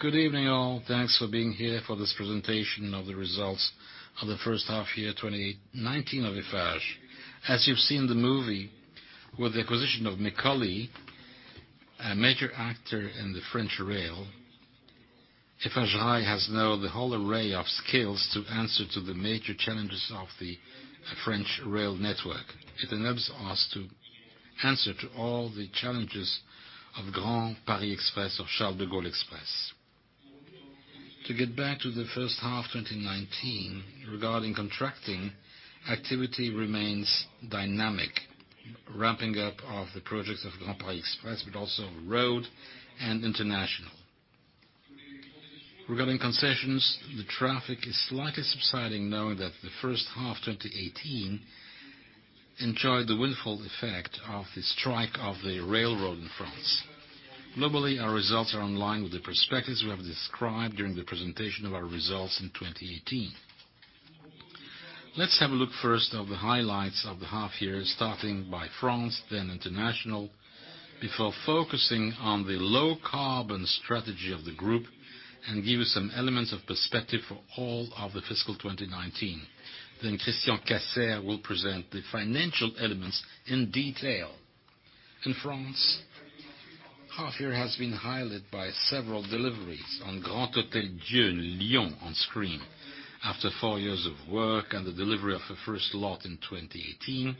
Good evening, all. Thanks for being here for this presentation of the results of the first half year 2019 of Eiffage. As you've seen the movie, with the acquisition of Meccoli, a major actor in the French rail, Eiffage Rail has now the whole array of skills to answer to the major challenges of the French rail network. It enables us to answer to all the challenges of Grand Paris Express or Charles de Gaulle Express. To get back to the first half 2019, regarding contracting, activity remains dynamic, ramping up of the projects of Grand Paris Express, but also road and international. Regarding concessions, the traffic is slightly subsiding, knowing that the first half 2018 enjoyed the windfall effect of the strike of the railroad in France. Globally, our results are in line with the perspectives we have described during the presentation of our results in 2018. Let's have a look first of the highlights of the half year, starting by France, then international, before focusing on the low carbon strategy of the group and give you some elements of perspective for all of the fiscal 2019. Christian Cassayre will present the financial elements in detail. In France, half year has been highlighted by several deliveries. On Grand Hôtel-Dieu, Lyon on screen. After four years of work and the delivery of a first lot in 2018,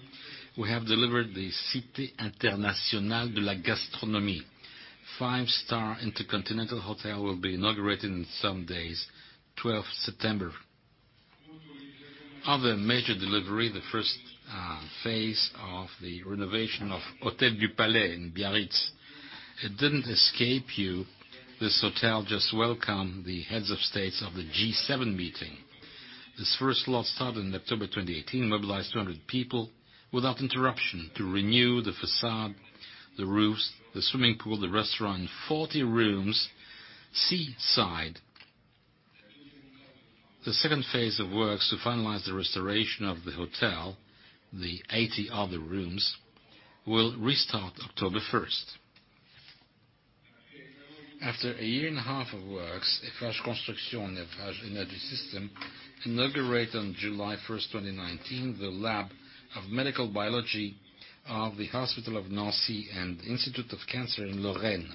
we have delivered the Cité internationale de la gastronomie. Five-star intercontinental hotel will be inaugurated in some days, 12th September. Other major delivery, the first phase of the renovation of Hôtel du Palais in Biarritz. It didn't escape you, this hotel just welcomed the heads of states of the G7 meeting. This first lot started in October 2018, mobilized 200 people without interruption to renew the façade, the roofs, the swimming pool, the restaurant, and 40 rooms seaside. The second phase of works to finalize the restoration of the hotel, the 80 other rooms, will restart October 1st. After a year and a half of works, Eiffage Construction and Eiffage Énergie Systèmes inaugurated on July 1st, 2019, the lab of medical biology of the Hospital of Nancy and Institute of Cancer in Lorraine.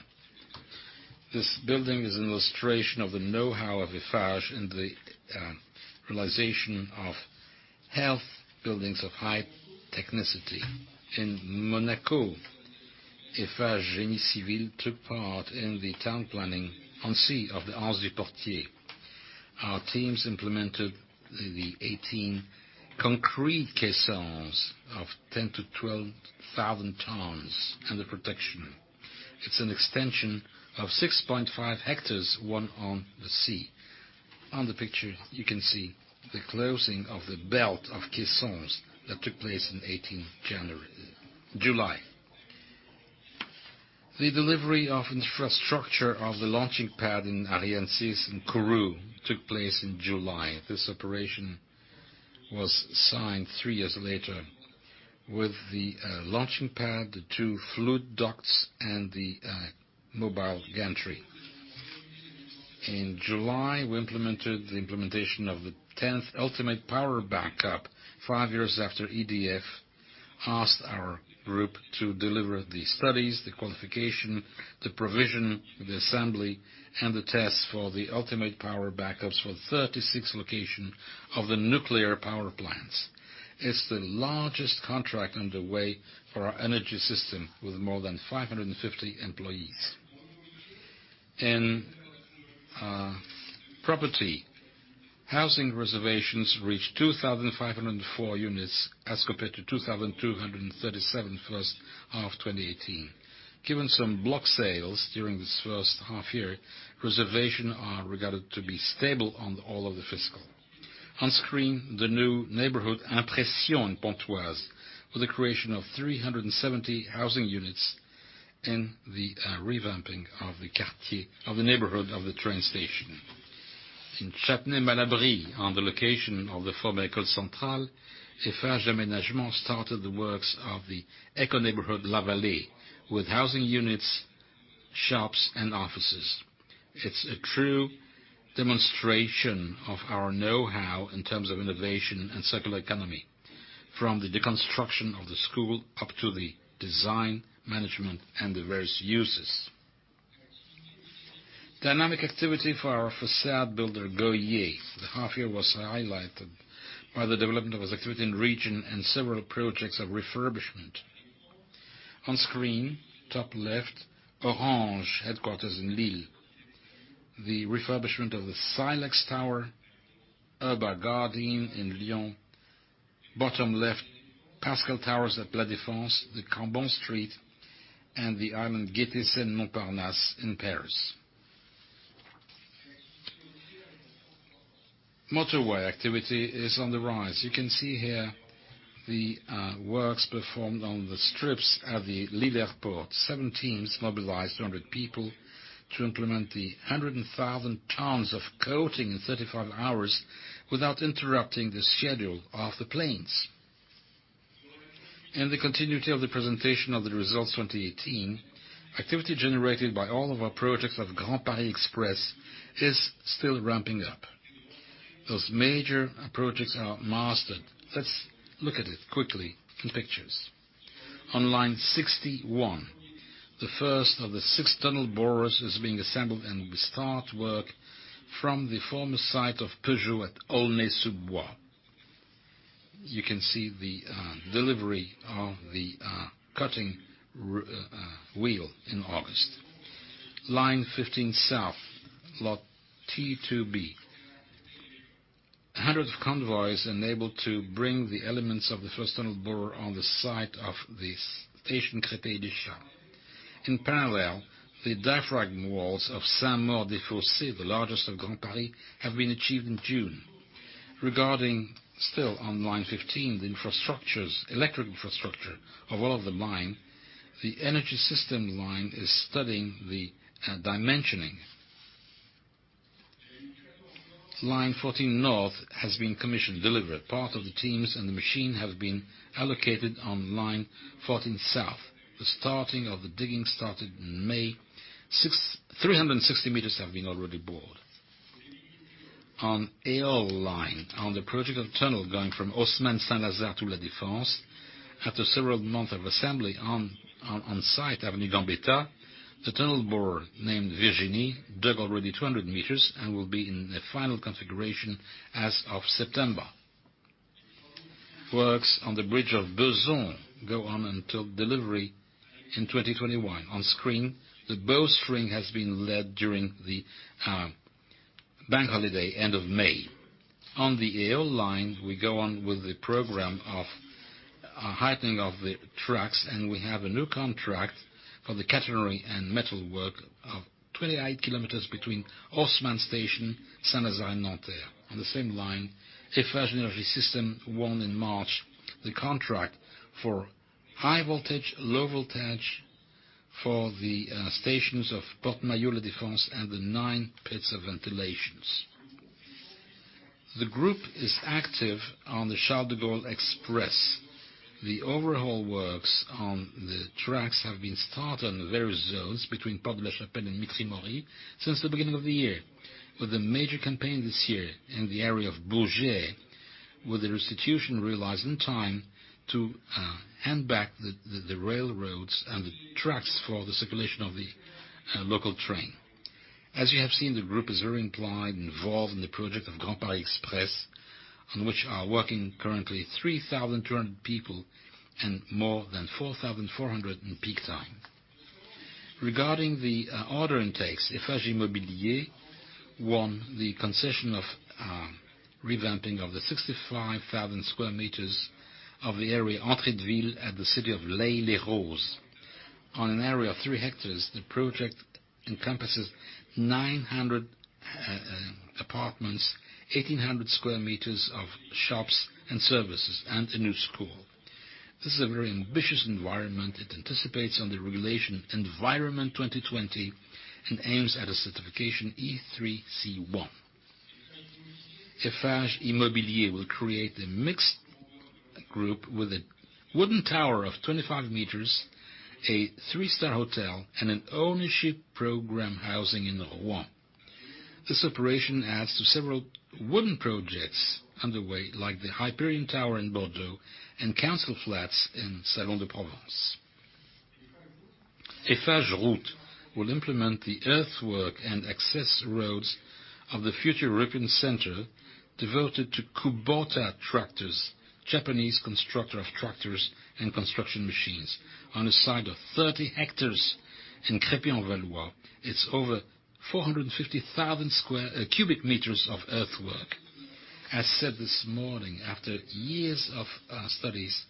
This building is an illustration of the know-how of Eiffage in the realization of health buildings of high technicity. In Monaco, Eiffage Génie Civil took part in the town planning on sea of the Anse du Portier. Our teams implemented the 18 concrete caissons of 10,000 to 12,000 tons and the protection. It's an extension of 6.5 hectares, one on the sea. On the picture, you can see the closing of the belt of caissons that took place in 18th July. The delivery of infrastructure of the launching pad in Ariane in Kourou took place in July. This operation was signed three years later with the launching pad, the two fluid ducts, and the mobile gantry. In July, we implemented the implementation of the 10th ultimate power backup, five years after EDF asked our group to deliver the studies, the qualification, the provision, the assembly, and the tests for the ultimate power backups for the 36 location of the nuclear power plants. It's the largest contract underway for our energy system with more than 550 employees. In property, housing reservations reached 2,504 units as compared to 2,237 first half 2018. Given some block sales during this first half year, reservation are regarded to be stable on all of the fiscal. On screen, the new neighborhood Impression, Pontoise, with the creation of 370 housing units and the revamping of the quartier, of the neighborhood of the train station. In Châtenay-Malabry, on the location of the former École Centrale, Eiffage Aménagement started the works of the eco-neighborhood La Vallée, with housing units, shops, and offices. It's a true demonstration of our know-how in terms of innovation and circular economy, from the deconstruction of the school up to the design, management, and the various uses. Dynamic activity for our façade builder, Goyer. The half year was highlighted by the development of his activity in region and several projects of refurbishment. On screen, top left, Orange headquarters in Lille. The refurbishment of the Silex Tower, urban garden in Lyon. Bottom left, Pascal Towers at La Défense, the Carbon Street, and the Îlot Gaîté in Montparnasse in Paris. Motorway activity is on the rise. You can see here the works performed on the strips at the Lille Airport. Seven teams mobilized 200 people to implement the 100,000 tons of coating in 35 hours without interrupting the schedule of the planes. The continuity of the presentation of the results 2018, activity generated by all of our projects of Grand Paris Express is still ramping up. Those major projects are mastered. Let's look at it quickly in pictures. On Line 61, the first of the six tunnel borers is being assembled, and will start work from the former site of Peugeot at Aulnay-sous-Bois. You can see the delivery of the cutting wheel in August. Line 15 South, lot T2B. Hundreds of convoys enabled to bring the elements of the first tunnel bore on the site of the station Créteil l'Échat. In parallel, the diaphragm walls of Saint-Maur-des-Fossés, the largest of Grand Paris, have been achieved in June. Regarding still on Line 15, the electric infrastructure of all of the line, the energy system line is studying the dimensioning. Line 14 North has been commissioned delivered. Part of the teams and the machine have been allocated on Line 14 South. The starting of the digging started in May. 360 meters have been already bored. On Eole line, on the project of tunnel going from Haussmann Saint-Lazare to La Défense, after several month of assembly on site, Avenue Gambetta, the tunnel bore, named Virginie, dug already 200 meters and will be in the final configuration as of September. Works on the bridge of Bezons go on until delivery in 2021. On screen, the bow string has been led during the bank holiday end of May. On the Eole line, we go on with the program of heightening of the tracks, and we have a new contract for the catenary and metal work of 28 km between Haussmann station, Saint-Lazare, Nanterre. On the same line, Eiffage Énergie Systèmes won in March the contract for high voltage, low voltage for the stations of Porte Maillot La Défense and the nine pits of ventilations. The group is active on the Charles de Gaulle Express. The overhaul works on the tracks have been start on the various zones between Porte de la Chapelle and Mitry-Mory since the beginning of the year, with a major campaign this year in the area of Bourget with the restitution realized in time to hand back the railroads and the tracks for the circulation of the local train. As you have seen, the group is very implied and involved in the project of Grand Paris Express, on which are working currently 3,200 people and more than 4,400 in peak time. Regarding the order intakes, Eiffage Immobilier won the concession of revamping of the 65,000 sq m of the area Entrée de Ville at the city of Les Lilas. On an area of three hectares, the project encompasses 900 apartments, 1,800 sq m of shops and services, and a new school. This is a very ambitious environment. It anticipates on the regulation of RE2020 and aims at a certification E3C1. Eiffage Immobilier will create a mixed group with a wooden tower of 25 m, a three-star hotel, and an ownership program housing in Rouen. This operation adds to several wooden projects underway, like the Hyperion Tower in Bordeaux and council flats in Salon-de-Provence. Eiffage Route will implement the earthwork and access roads of the future European Center devoted to Kubota tractors, Japanese constructor of tractors and construction machines, on a site of 30 hectares in Crépy-en-Valois. It's over 450,000 cubic meters of earthwork. As said this morning, after years of studies,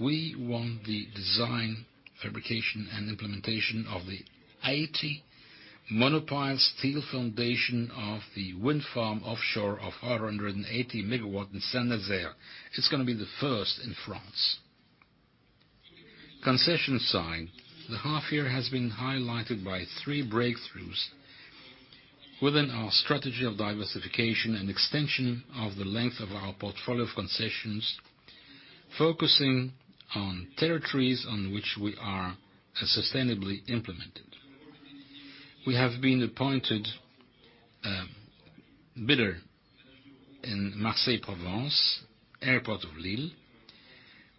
we won the design, fabrication, and implementation of the 80 monopile steel foundation of the wind farm offshore of 480 megawatt in Saint-Nazaire. It's going to be the first in France. Concession sign, the half year has been highlighted by three breakthroughs within our strategy of diversification and extension of the length of our portfolio of concessions, focusing on territories on which we are sustainably implemented. We have been appointed bidder in Marseille, Provence, airport of Lille.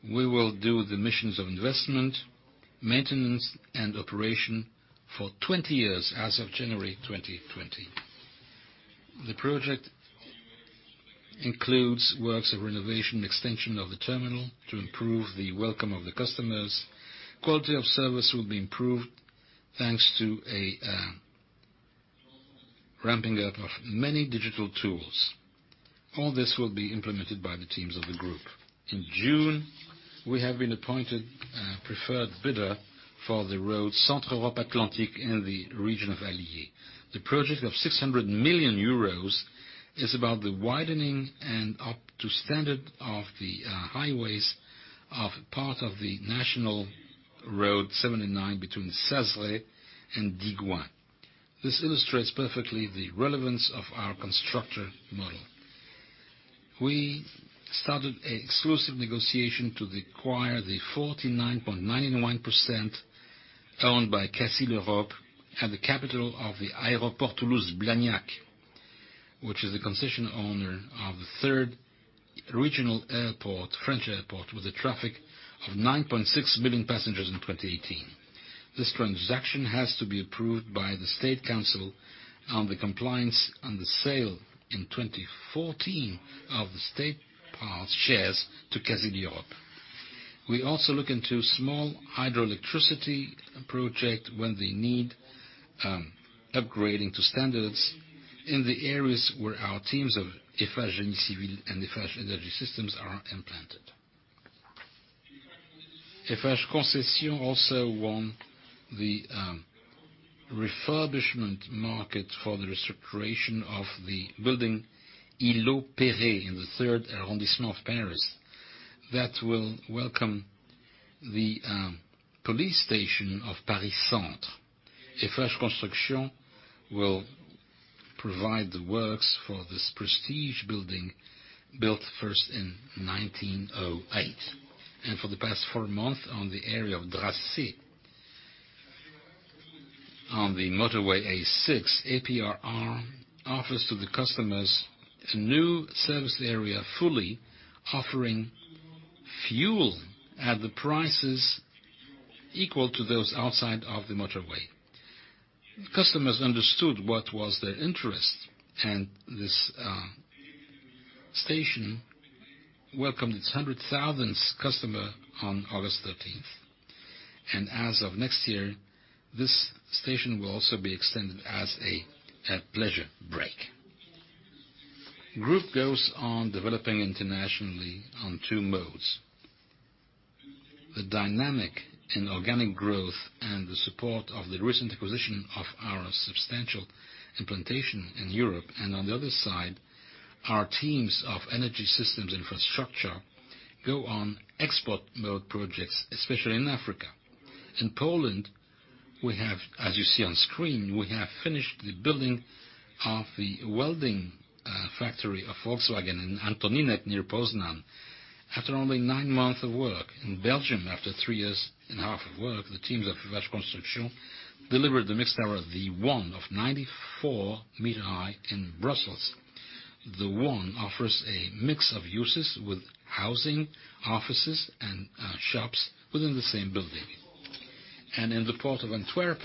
We will do the missions of investment, maintenance, and operation for 20 years as of January 2020. The project includes works of renovation and extension of the terminal to improve the welcome of the customers. Quality of service will be improved, thanks to a ramping up of many digital tools. All this will be implemented by the teams of the group. In June, we have been appointed preferred bidder for the road Centre Europe Atlantique in the region of Allier. The project of 600 million euros is about the widening and up to standard of the highways of part of the National Road 79 between Sazeret and Digoin. This illustrates perfectly the relevance of our constructor model. We started exclusive negotiation to acquire the 49.91% owned by Casil Europe and the capital of the Aéroport de Toulouse-Blagnac, which is the concession owner of the third regional French airport, with the traffic of 9.6 million passengers in 2018. This transaction has to be approved by the Conseil d'État on the compliance on the sale in 2014 of the state's shares to Casil Europe. We also look into small hydroelectricity project when they need upgrading to standards in the areas where our teams of Eiffage Génie Civil and Eiffage Énergie Systèmes are implanted. Eiffage Concessions also won the refurbishment market for the restoration of the building Îlot Péré in the third arrondissement of Paris. That will welcome the police station of Paris Centre. Eiffage Construction will provide the works for this prestige building, built first in 1908. For the past four months on the area of Dracé, on the motorway A6, APRR offers to the customers a new service area fully offering fuel at the prices equal to those outside of the motorway. Customers understood what was the interest, and this station welcomed its 100,000th customer on August 13th. As of next year, this station will also be extended as a pleasure break. Group goes on developing internationally on two modes. The dynamic in organic growth and the support of the recent acquisition of our substantial implantation in Europe, and on the other side, our teams of Eiffage Énergie Systèmes infrastructure go on export mode projects, especially in Africa. In Poland, as you see on screen, we have finished the building of the welding factory of Volkswagen in Antoninek near Poznań, after only nine months of work. In Belgium, after three years and a half of work, the teams of Eiffage Construction delivered the mixed tower, The One, of 94 meter high in Brussels. The One offers a mix of uses with housing, offices, and shops within the same building. In the Port of Antwerp,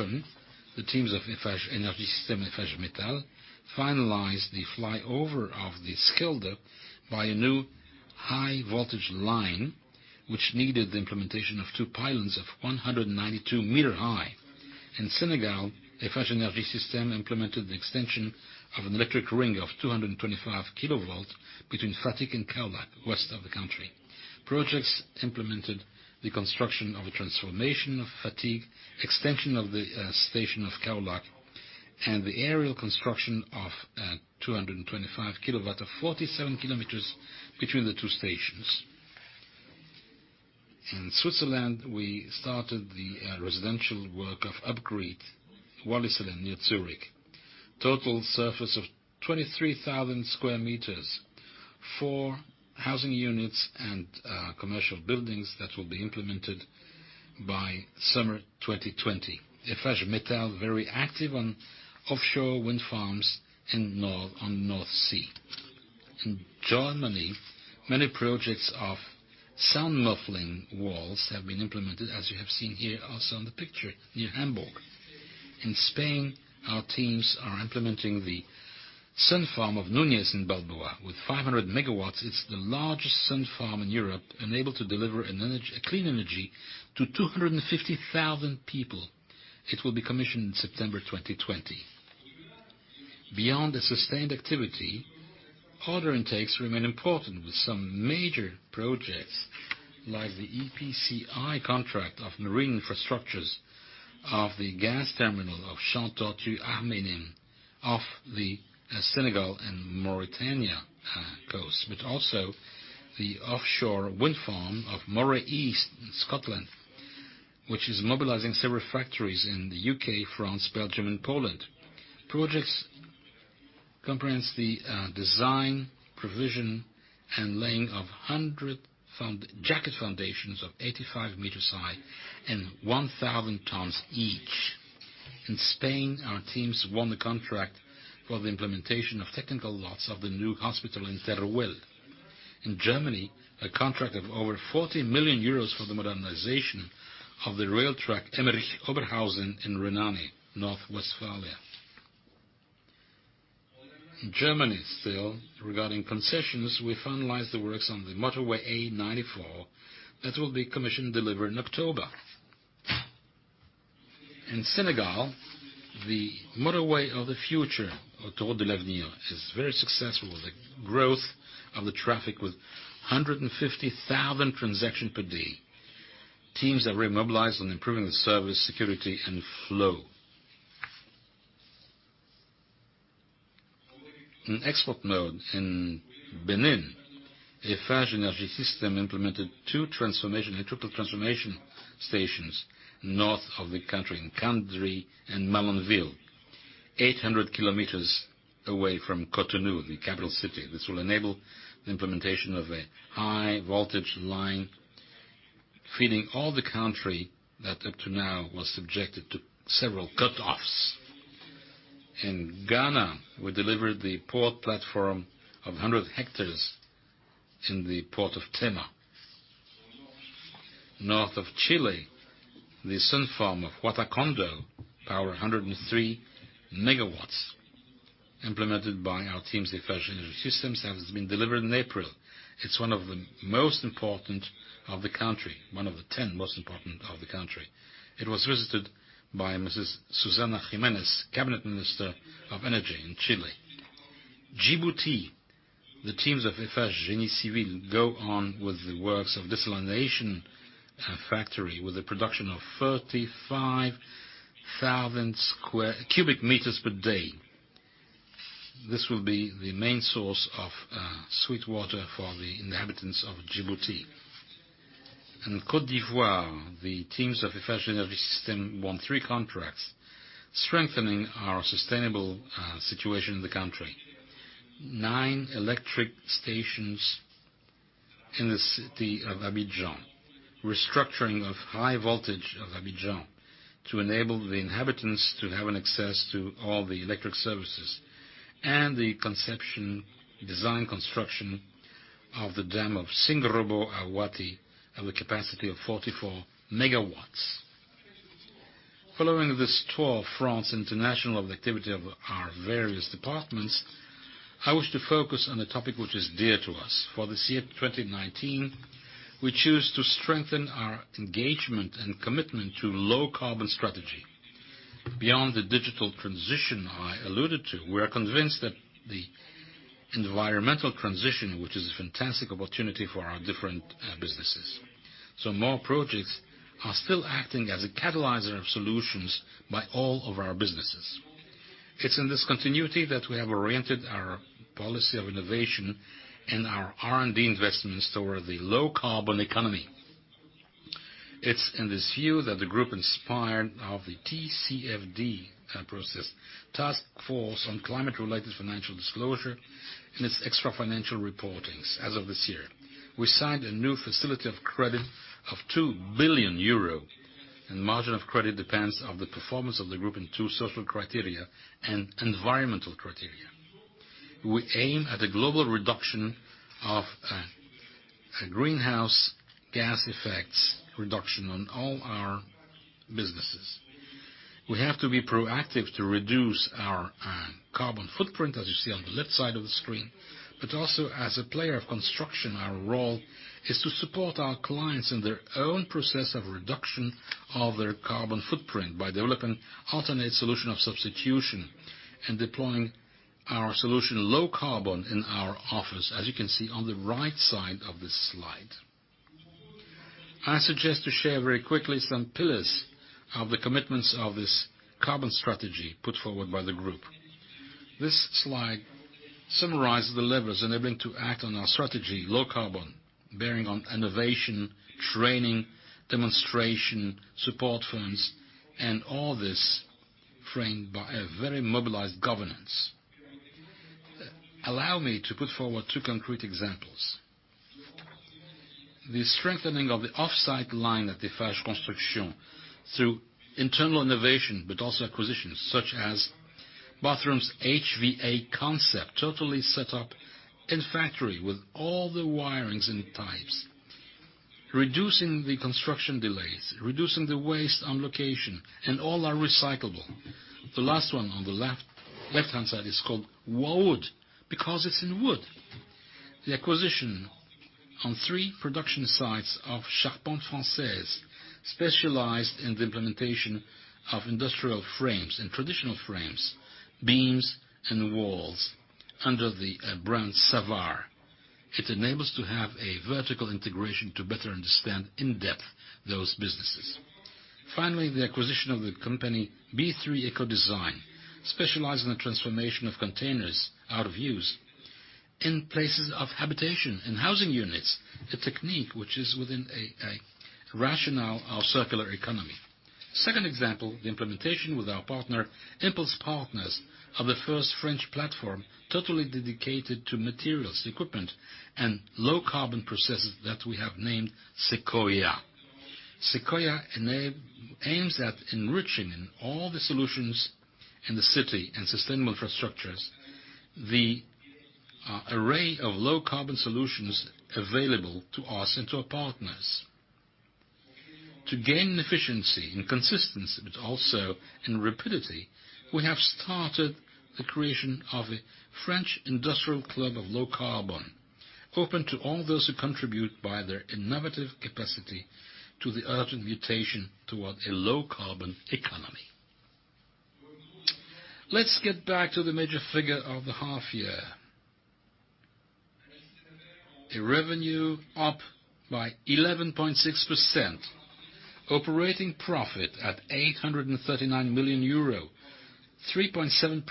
the teams of Eiffage Énergie Systèmes and Eiffage Métal finalized the flyover of the Schelde by a new high voltage line, which needed the implementation of 2 pylons of 192 meters high. In Senegal, Eiffage Énergie Systèmes implemented the extension of an electric ring of 225 kilovolts between Fatick and Keur Massar, west of the country. Projects implemented the construction of a transformation of Fatick, extension of the station of Keur Massar, and the aerial construction of 225 kilowatts of 47 kilometers between the two stations. In Switzerland, we started the residential work of Upgrade Wädenswil near Zurich. Total surface of 23,000 sq m for housing units and commercial buildings that will be implemented by summer 2020. Eiffage Métal, very active on offshore wind farms on North Sea. In Germany, many projects of sound muffling walls have been implemented, as you have seen here also on the picture, near Hamburg. In Spain, our teams are implementing the sun farm of Núñez de Balboa. With 500 MW, it's the largest sun farm in Europe and able to deliver clean energy to 250,000 people. It will be commissioned in September 2020. Beyond the sustained activity, order intakes remain important with some major projects like the EPCI contract of marine infrastructures of the gas terminal of Greater Tortue Ahmeyim off the Senegal and Mauritania coast. Also the offshore wind farm of Moray East in Scotland, which is mobilizing several factories in the U.K., France, Belgium and Poland. Projects comprise the design, provision, and laying of 100 jacket foundations of 85 meters high and 1,000 tons each. In Spain, our teams won the contract for the implementation of technical lots of the new hospital in Teruel. In Germany, a contract of over 40 million euros for the modernization of the rail track Emmerich Oberhausen in Rhine, North Rhine-Westphalia. In Germany still, regarding concessions, we finalized the works on the motorway A94 that will be commission delivered in October. In Senegal, the motorway of the future, Autoroute de l'Avenir, is very successful with the growth of the traffic with 150,000 transactions per day. Teams are very mobilized on improving the service, security, and flow. In export mode in Benin, Eiffage Énergie Systèmes implemented two transformation and triple transformation stations north of the country in Kandi and Malanville, 800 kilometers away from Cotonou, the capital city. This will enable the implementation of a high voltage line feeding all the country that up to now was subjected to several cut-offs. In Ghana, we delivered the port platform of 100 hectares in the port of Tema. North of Chile, the sun farm of Guatacondo, power 103 megawatts, implemented by our teams at Eiffage Énergie Systèmes. It's been delivered in April. It's one of the most important of the country, one of the 10 most important of the country. It was visited by Mrs. Susana Jiménez, Cabinet Minister of Energy in Chile. Djibouti, the teams of Eiffage Génie Civil go on with the works of desalination factory with a production of 35,000 cubic meters per day. This will be the main source of sweet water for the inhabitants of Djibouti. In Côte d'Ivoire, the teams of Eiffage Énergie Systèmes won three contracts, strengthening our sustainable situation in the country. Nine electric stations in the city of Abidjan, restructuring of high voltage of Abidjan to enable the inhabitants to have an access to all the electric services, and the conception, design, construction of the dam of Singrobo-Ahouaty, have a capacity of 44 MW. Following this tour of France International of the activity of our various departments, I wish to focus on a topic which is dear to us. For the year 2019, we choose to strengthen our engagement and commitment to low carbon strategy. Beyond the digital transition I alluded to, we are convinced that the environmental transition, which is a fantastic opportunity for our different businesses. More projects are still acting as a catalyzer of solutions by all of our businesses. It's in this continuity that we have oriented our policy of innovation and our R&D investments toward the low carbon economy. It's in this view that the group inspired of the TCFD process, Task Force on Climate-related Financial Disclosures, in its extra financial reporting as of this year. We signed a new facility of credit of 2 billion euro. Margin of credit depends on the performance of the group in two social criteria and environmental criteria. We aim at a global reduction of greenhouse gas effects reduction on all our businesses. We have to be proactive to reduce our carbon footprint, as you see on the left side of the screen. Also as a player of construction, our role is to support our clients in their own process of reduction of their carbon footprint by developing alternate solution of substitution and deploying our solution low carbon in our office, as you can see on the right side of this slide. I suggest to share very quickly some pillars of the commitments of this low-carbon strategy put forward by the group. This slide summarizes the levers enabling to act on our strategy, low-carbon, bearing on innovation, training, demonstration, support funds, and all this framed by a very mobilized governance. Allow me to put forward two concrete examples. The strengthening of the offsite line at the Eiffage Construction through internal innovation, but also acquisitions such as bathrooms HVA Concept, totally set up in factory with all the wirings and types, reducing the construction delays, reducing the waste on location, and all are recyclable. The last one on the left-hand side is called W'all-in-ood, because it's in wood. The acquisition on three production sites of Charpentes Françaises, specialized in the implementation of industrial frames and traditional frames, beams, and walls under the brand Savare. It enables to have a vertical integration to better understand in depth those businesses. Finally, the acquisition of the company B3 Ecodesign, specialized in the transformation of containers out of use in places of habitation and housing units, a technique which is within a rationale of circular economy. Second example, the implementation with our partner, Impulse Partners, of the first French platform totally dedicated to materials, equipment, and low carbon processes that we have named Sekoya. Sekoya aims at enriching in all the solutions in the city and sustainable infrastructures, the array of low carbon solutions available to us and to our partners. To gain efficiency and consistency, but also in rapidity, we have started the creation of a French industrial club of low carbon, open to all those who contribute by their innovative capacity to the urgent mutation towards a low carbon economy. Let's get back to the major figure of the half year. Revenue up by 11.6%. Operating profit at 839 million euro, 3.7%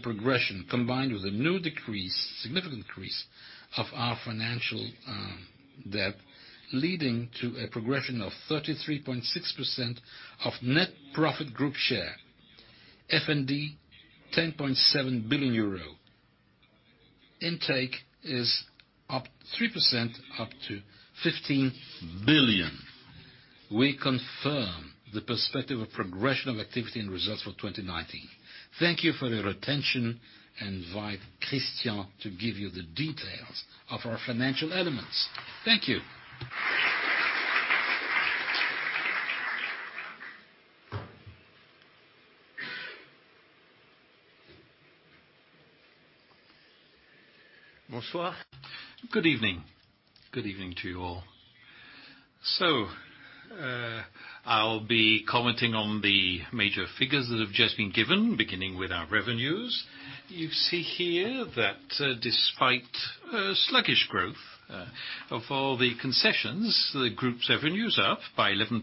progression, combined with a new significant increase of our financial debt, leading to a progression of 33.6% of net profit group share. F&D, 10.7 billion euro. Intake is up 3%, up to 15 billion. We confirm the perspective of progression of activity and results for 2019. Thank you for your attention. Invite Christian to give you the details of our financial elements. Thank you. Good evening. Good evening to you all. I'll be commenting on the major figures that have just been given, beginning with our revenues. You see here that despite sluggish growth of all the concessions, the group's revenues are up by 11.6%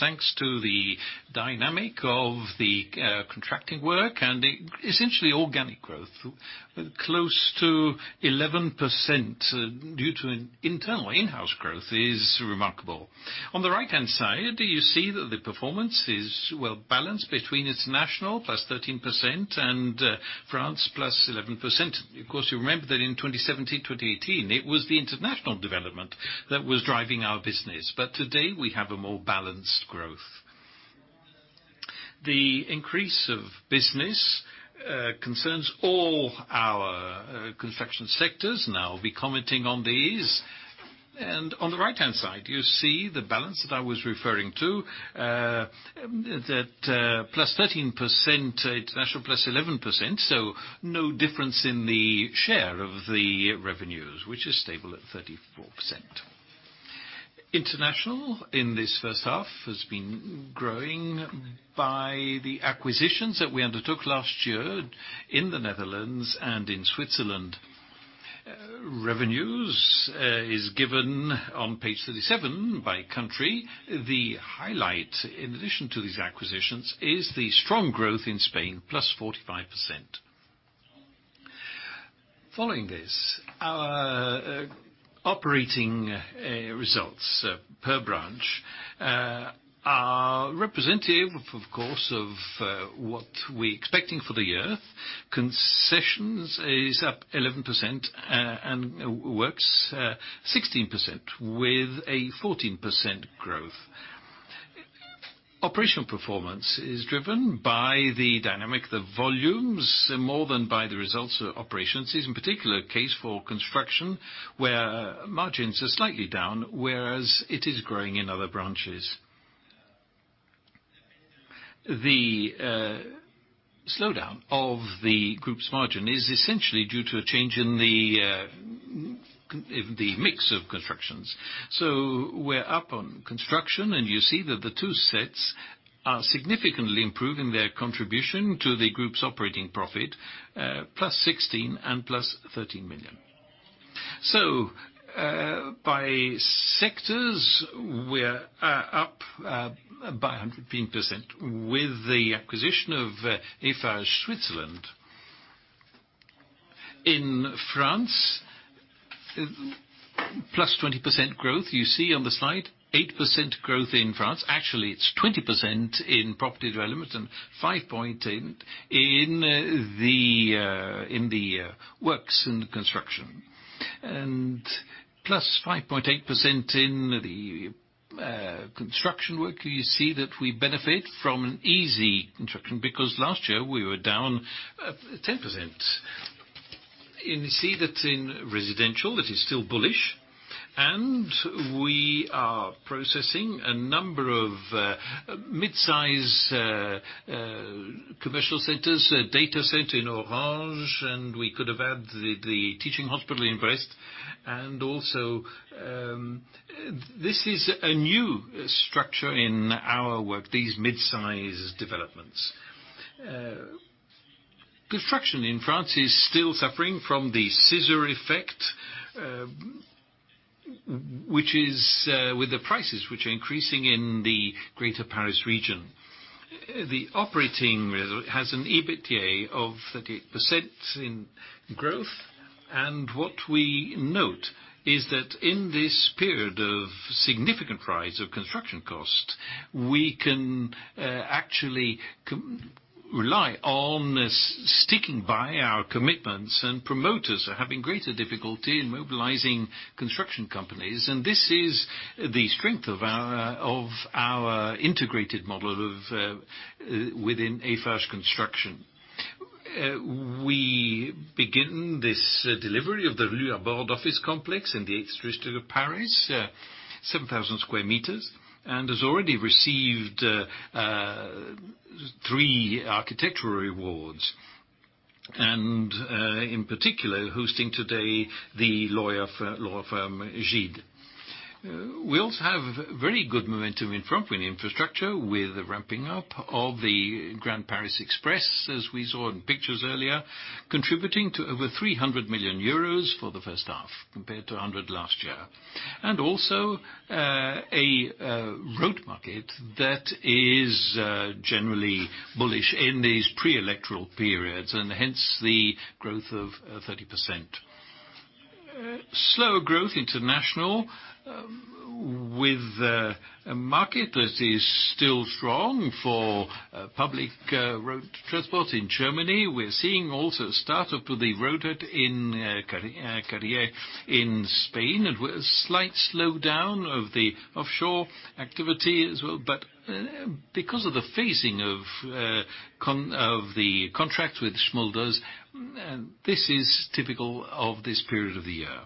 thanks to the dynamic of the contracting work and essentially organic growth. Close to 11% due to internal in-house growth is remarkable. On the right-hand side, you see that the performance is well-balanced between international plus 13% and France plus 11%. Of course, you remember that in 2017-2018, it was the international development that was driving our business. Today, we have a more balanced growth. The increase of business concerns all our construction sectors, and I'll be commenting on these. On the right-hand side, you see the balance that I was referring to, that plus 13%, international plus 11%. No difference in the share of the revenues, which is stable at 34%. International, in this first half, has been growing by the acquisitions that we undertook last year in the Netherlands and in Switzerland. Revenues is given on page 37 by country. The highlight, in addition to these acquisitions, is the strong growth in Spain, plus 45%. Following this, our operating results per branch are representative, of course, of what we're expecting for the year. Concessions is up 11% and works 16% with a 14% growth. Operational performance is driven by the dynamic of the volumes more than by the results of operations. This is in particular case for Construction, where margins are slightly down, whereas it is growing in other branches. The slowdown of the group's margin is essentially due to a change in the mix of constructions. We're up on construction, and you see that the two sets are significantly improving their contribution to the group's operating profit, 16 million and 13 million. By sectors, we're up by 115% with the acquisition of Eiffage Suisse. In France, +20% growth. You see on the slide, 8% growth in France. Actually, it's 20% in property development and 5.8% in the works and construction. +5.8% in the construction work. You see that we benefit from Eiffage Construction because last year we were down -10%. You see that in residential, that is still bullish, and we are processing a number of mid-size commercial centers, a data center in Orange, and we could have had the teaching hospital in Brest. Also, this is a new structure in our work, these mid-size developments. Construction in France is still suffering from the scissor effect, which is with the prices which are increasing in the Grand Paris region. The operating has an EBITDA of 30% in growth. What we note is that in this period of significant rise of construction cost, we can actually rely on sticking by our commitments, and promoters are having greater difficulty in mobilizing construction companies. This is the strength of our integrated model within Eiffage Construction. We begin this delivery of the Rue La Boétie office complex in the eighth district of Paris, 7,000 square meters, and has already received three architectural awards. In particular, hosting today the law firm Gide. We also have very good momentum in Forclum Infrastructures with the ramping up of the Grand Paris Express, as we saw in pictures earlier, contributing to over 300 million euros for the first half, compared to 100 million last year. Also a road market that is generally bullish in these pre-electoral periods, hence the growth of 30%. Slower growth international, with a market that is still strong for public road transport in Germany. We are seeing also start up to the road in Carrión in Spain, with a slight slowdown of the offshore activity as well. Because of the phasing of the contract with Smulders, this is typical of this period of the year.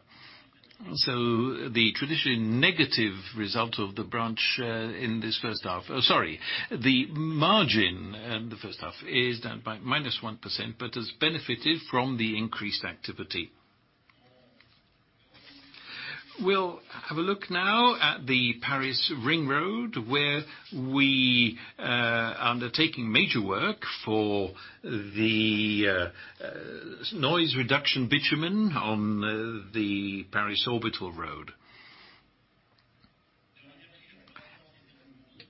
The traditionally negative result of the branch in this first half, sorry, the margin in the first half is down by -1%, but has benefited from the increased activity. We'll have a look now at the Paris ring road, where we are undertaking major work for the noise reduction bitumen on the Paris orbital road.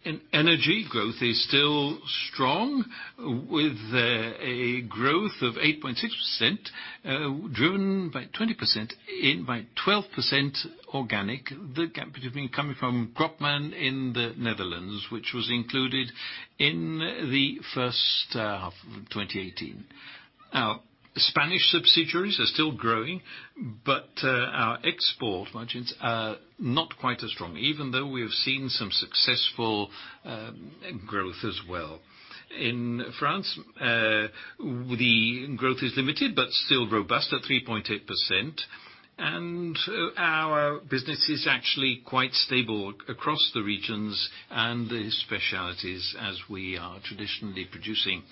In energy, growth is still strong, with a growth of 8.6%, driven by 12% organic, the gap between coming from Kropman in the Netherlands, which was included in the first half of 2018. Our Spanish subsidiaries are still growing, but our export margins are not quite as strong, even though we have seen some successful growth as well. In France, the growth is limited but still robust at 3.8%, and our business is actually quite stable across the regions and the specialities as we are traditionally producing.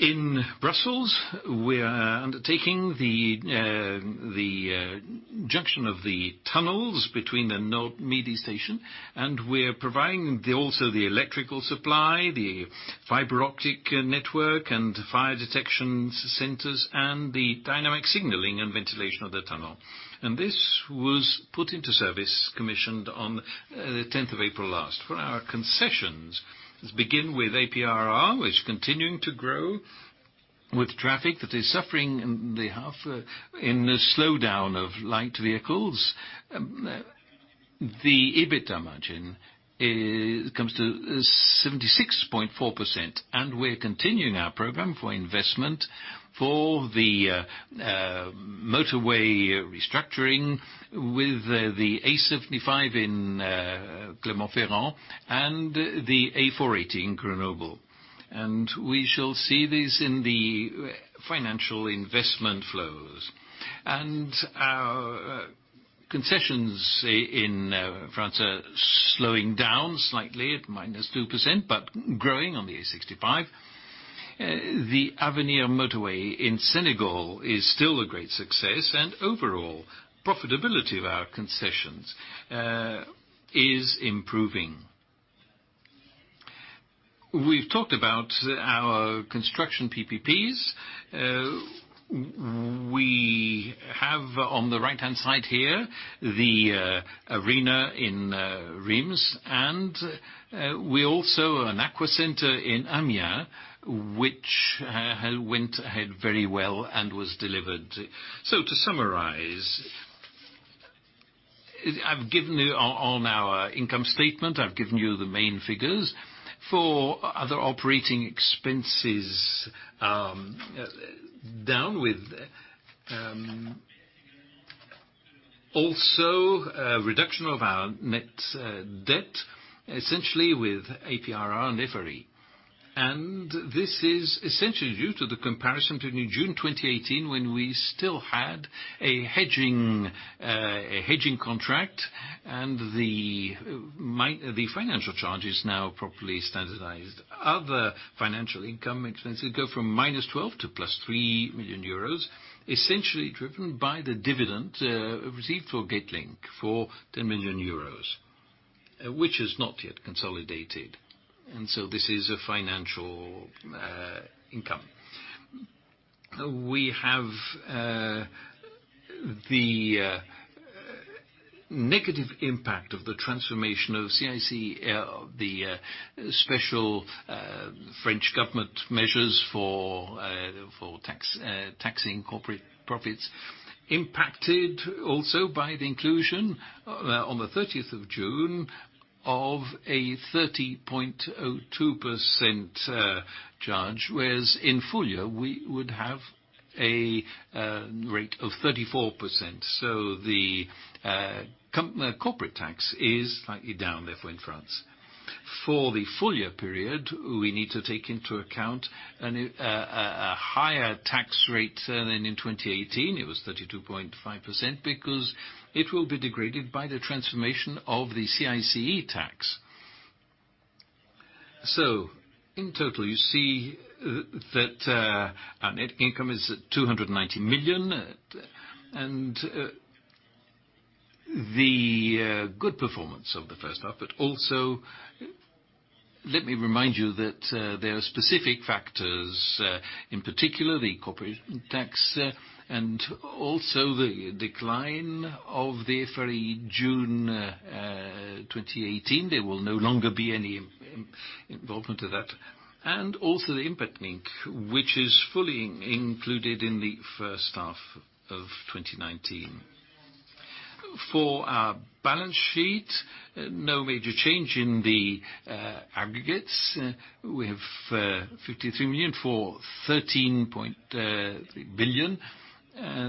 In Brussels, we are undertaking the junction of the tunnels between the Nord-Midi station, and we're providing also the electrical supply, the fiber optic network, and fire detection centers, and the dynamic signaling and ventilation of the tunnel. This was put into service, commissioned on the 10th of April last. For our concessions, let's begin with APRR, which continuing to grow with traffic that is suffering in the slowdown of light vehicles. The EBITDA margin comes to 76.4%, and we're continuing our program for investment for the motorway restructuring with the A75 in Clermont-Ferrand and the A480 in Grenoble. We shall see this in the financial investment flows. Our concessions in France are slowing down slightly at -2%, but growing on the A65. The Avenir motorway in Senegal is still a great success, and overall profitability of our concessions is improving. We've talked about our construction PPPs. We have on the right-hand side here, the arena in Reims, and also an aqua center in Amiens, which went ahead very well and was delivered. To summarize, on our income statement, I've given you the main figures. For other operating expenses, reduction of our net debt, essentially with APRR and EFRI. This is essentially due to the comparison to June 2018, when we still had a hedging contract and the financial charge is now properly standardized. Other financial income expenses go from -12 million to +3 million euros, essentially driven by the dividend received for Getlink for 10 million euros, which is not yet consolidated. This is a financial income. We have the negative impact of the transformation of CICE, the special French government measures for taxing corporate profits, impacted also by the inclusion on the 30th of June of a 30.02% charge, whereas in full year, we would have a rate of 34%. The corporate tax is slightly down, therefore, in France. For the full year period, we need to take into account a higher tax rate than in 2018, it was 32.5%, because it will be degraded by the transformation of the CICE tax. In total, you see that our net income is at 290 million, and the good performance of the first half. Also, let me remind you that there are specific factors, in particular the corporation tax, and also the decline of the AREA June 2018. There will no longer be any involvement of that. The Impact Link, which is fully included in the first half of 2019. For our balance sheet, no major change in the aggregates. We have 53 million for 13.3 billion.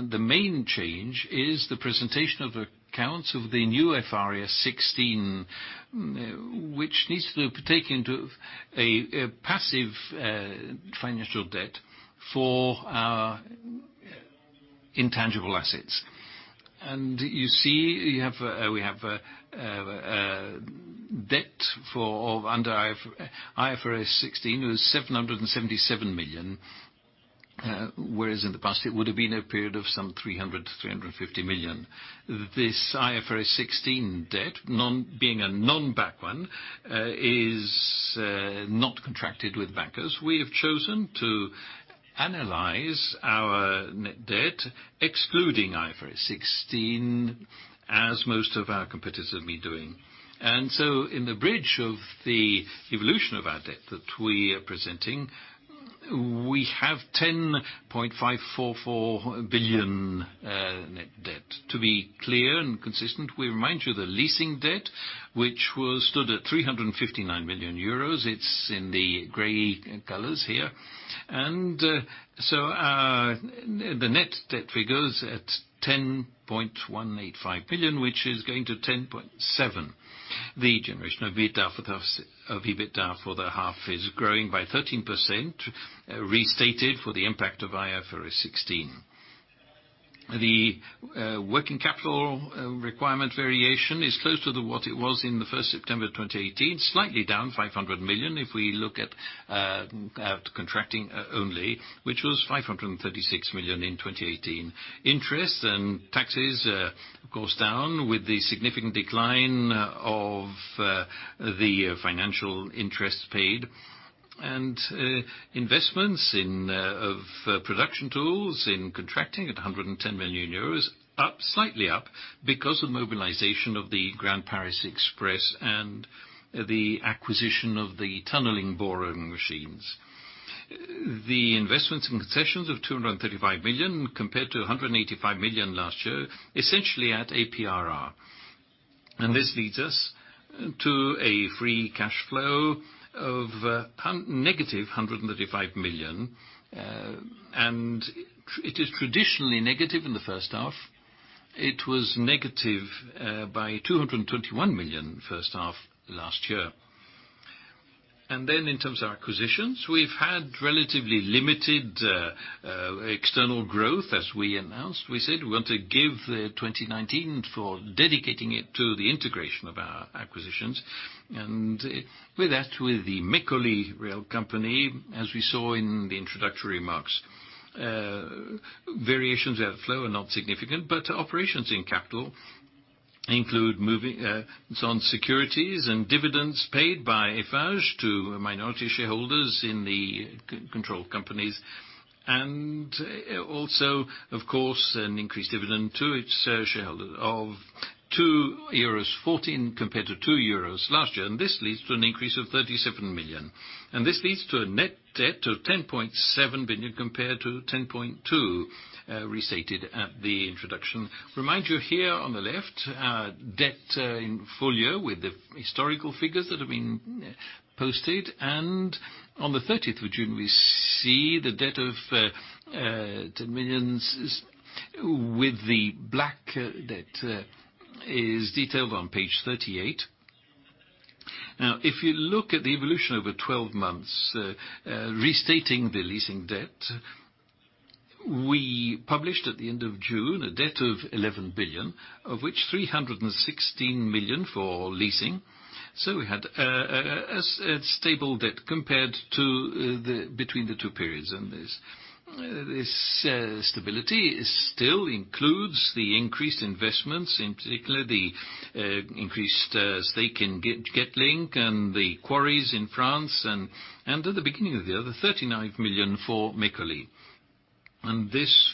The main change is the presentation of accounts of the new IFRS 16, which needs to take into a passive financial debt for our intangible assets. We have a debt for under IFRS 16 was 777 million, whereas in the past it would have been a period of some 300 million-350 million. This IFRS 16 debt, being a non-backed one, is not contracted with bankers. We have chosen to analyze our net debt, excluding IFRS 16, as most of our competitors have been doing. In the bridge of the evolution of our debt that we are presenting, we have 10.544 billion net debt. To be clear and consistent, we remind you the leasing debt, which stood at 359 million euros. It's in the gray colors here. The net debt figures at 10.185 billion, which is going to 10.7 billion. The generation of EBITDA for the half is growing by 13%, restated for the impact of IFRS 16. The working capital requirement variation is close to what it was in the 1st September 2018, slightly down 500 million if we look at contracting only, which was 536 million in 2018. Interest and taxes, of course, down with the significant decline of the financial interest paid. Investments of production tools in contracting at 110 million euros, slightly up because of mobilization of the Grand Paris Express and the acquisition of the tunneling boring machines. The investments in concessions of 235 million compared to 185 million last year, essentially at APRR. This leads us to a free cash flow of negative 135 million. It is traditionally negative in the first half. It was negative by 221 million first half last year. In terms of acquisitions, we've had relatively limited external growth, as we announced. We said we want to give 2019 for dedicating it to the integration of our acquisitions. With that, with the Meccoli rail company, as we saw in the introductory remarks. Variations there flow are not significant, but operations in capital include moving some securities and dividends paid by Eiffage to minority shareholders in the controlled companies. Also, of course, an increased dividend to its shareholders of 2.14 euros compared to 2 euros last year. This leads to an increase of 37 million. This leads to a net debt of 10.7 billion compared to 10.2 billion restated at the introduction. Remind you here on the left, debt in full year with the historical figures that have been posted. On the 30th of June, we see the debt of 10 million with the black debt is detailed on page 38. If you look at the evolution over 12 months, restating the leasing debt, we published at the end of June a debt of 11 billion, of which 316 million for leasing. We had a stable debt compared to between the two periods. This stability still includes the increased investments, in particular the increased stake in Getlink and the quarries in France. At the beginning of the year, the 39 million for Meccoli. This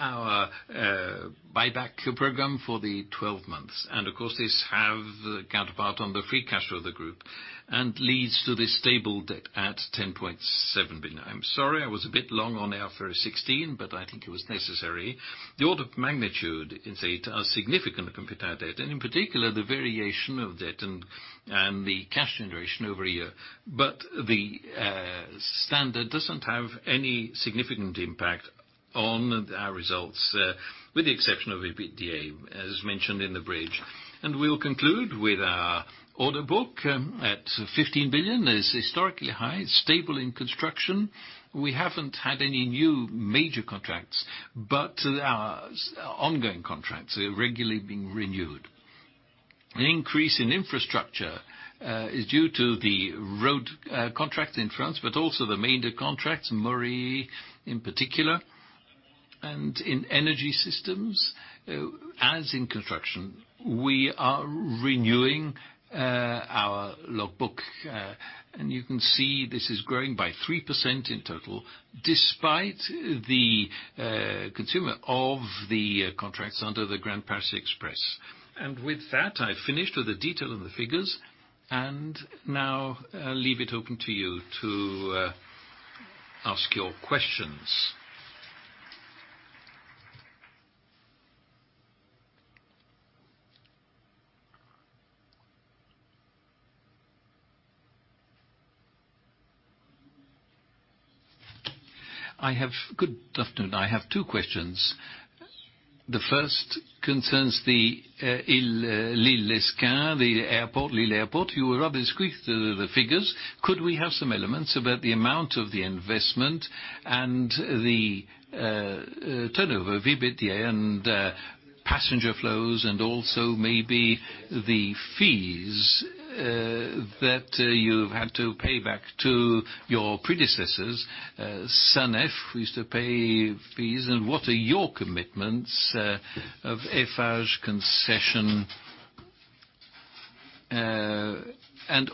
is our buyback program for the 12 months. Of course, this have the counterpart on the free cash flow of the group and leads to this stable debt at 10.7 billion. I'm sorry, I was a bit long on our IFRS 16, but I think it was necessary. The order of magnitude is a significant computed debt, and in particular, the variation of debt and the cash generation over a year. The standard doesn't have any significant impact on our results, with the exception of EBITDA, as mentioned in the bridge. We will conclude with our order book at 15 billion. It's historically high, stable in construction. We haven't had any new major contracts, but our ongoing contracts are regularly being renewed. The increase in infrastructure is due to the road contract in France, but also the main contracts, Moray in particular. In energy systems, as in construction, we are renewing our logbook. You can see this is growing by 3% in total, despite the consumption of the contracts under the Grand Paris Express. With that, I've finished with the detail and the figures, and now leave it open to you to ask your questions. Good afternoon. I have two questions. The first concerns the Lille Lesquin, the Lille Airport. You were rather brief with the figures. Could we have some elements about the amount of the investment and the turnover, EBITDA, and passenger flows, and also maybe the fees that you've had to pay back to your predecessors, SANEF, who used to pay fees, and what are your commitments of Eiffage Concessions?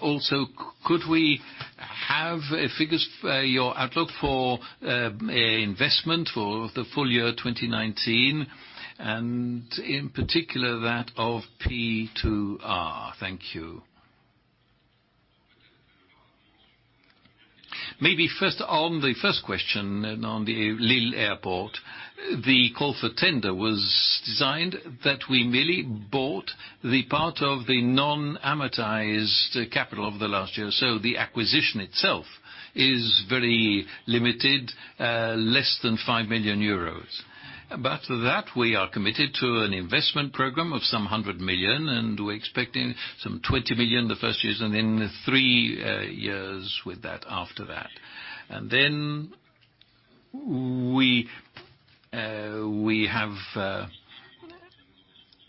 Also, could we have figures for your outlook for investment for the full year 2019, and in particular, that of P2R? Thank you. Maybe first, on the first question on the Lille Airport, the call for tender was designed that we merely bought the part of the non-amortized capital of the last year. The acquisition itself is very limited, less than 5 million euros. That we are committed to an investment program of some 100 million, and we're expecting some 20 million the first years, and then three years with that after that. We have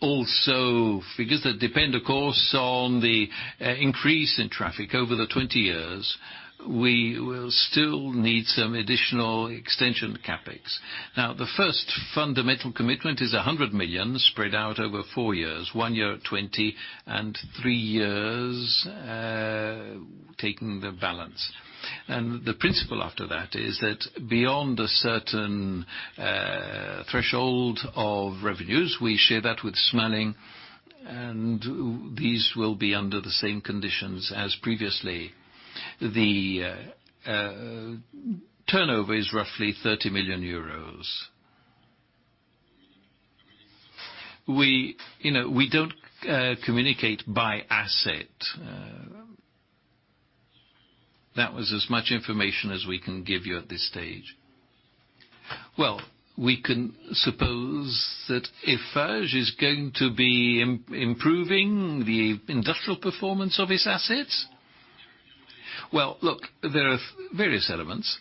also figures that depend, of course, on the increase in traffic over the 20 years. We will still need some additional extension CapEx. The first fundamental commitment is 100 million spread out over four years, one year at 20, and three years taking the balance. The principle after that is that beyond a certain threshold of revenues, we share that with Smalling, and these will be under the same conditions as previously. The turnover is roughly EUR 30 million. We don't communicate by asset. That was as much information as we can give you at this stage. Well, we can suppose that Eiffage is going to be improving the industrial performance of its assets. Well, look, there are various elements.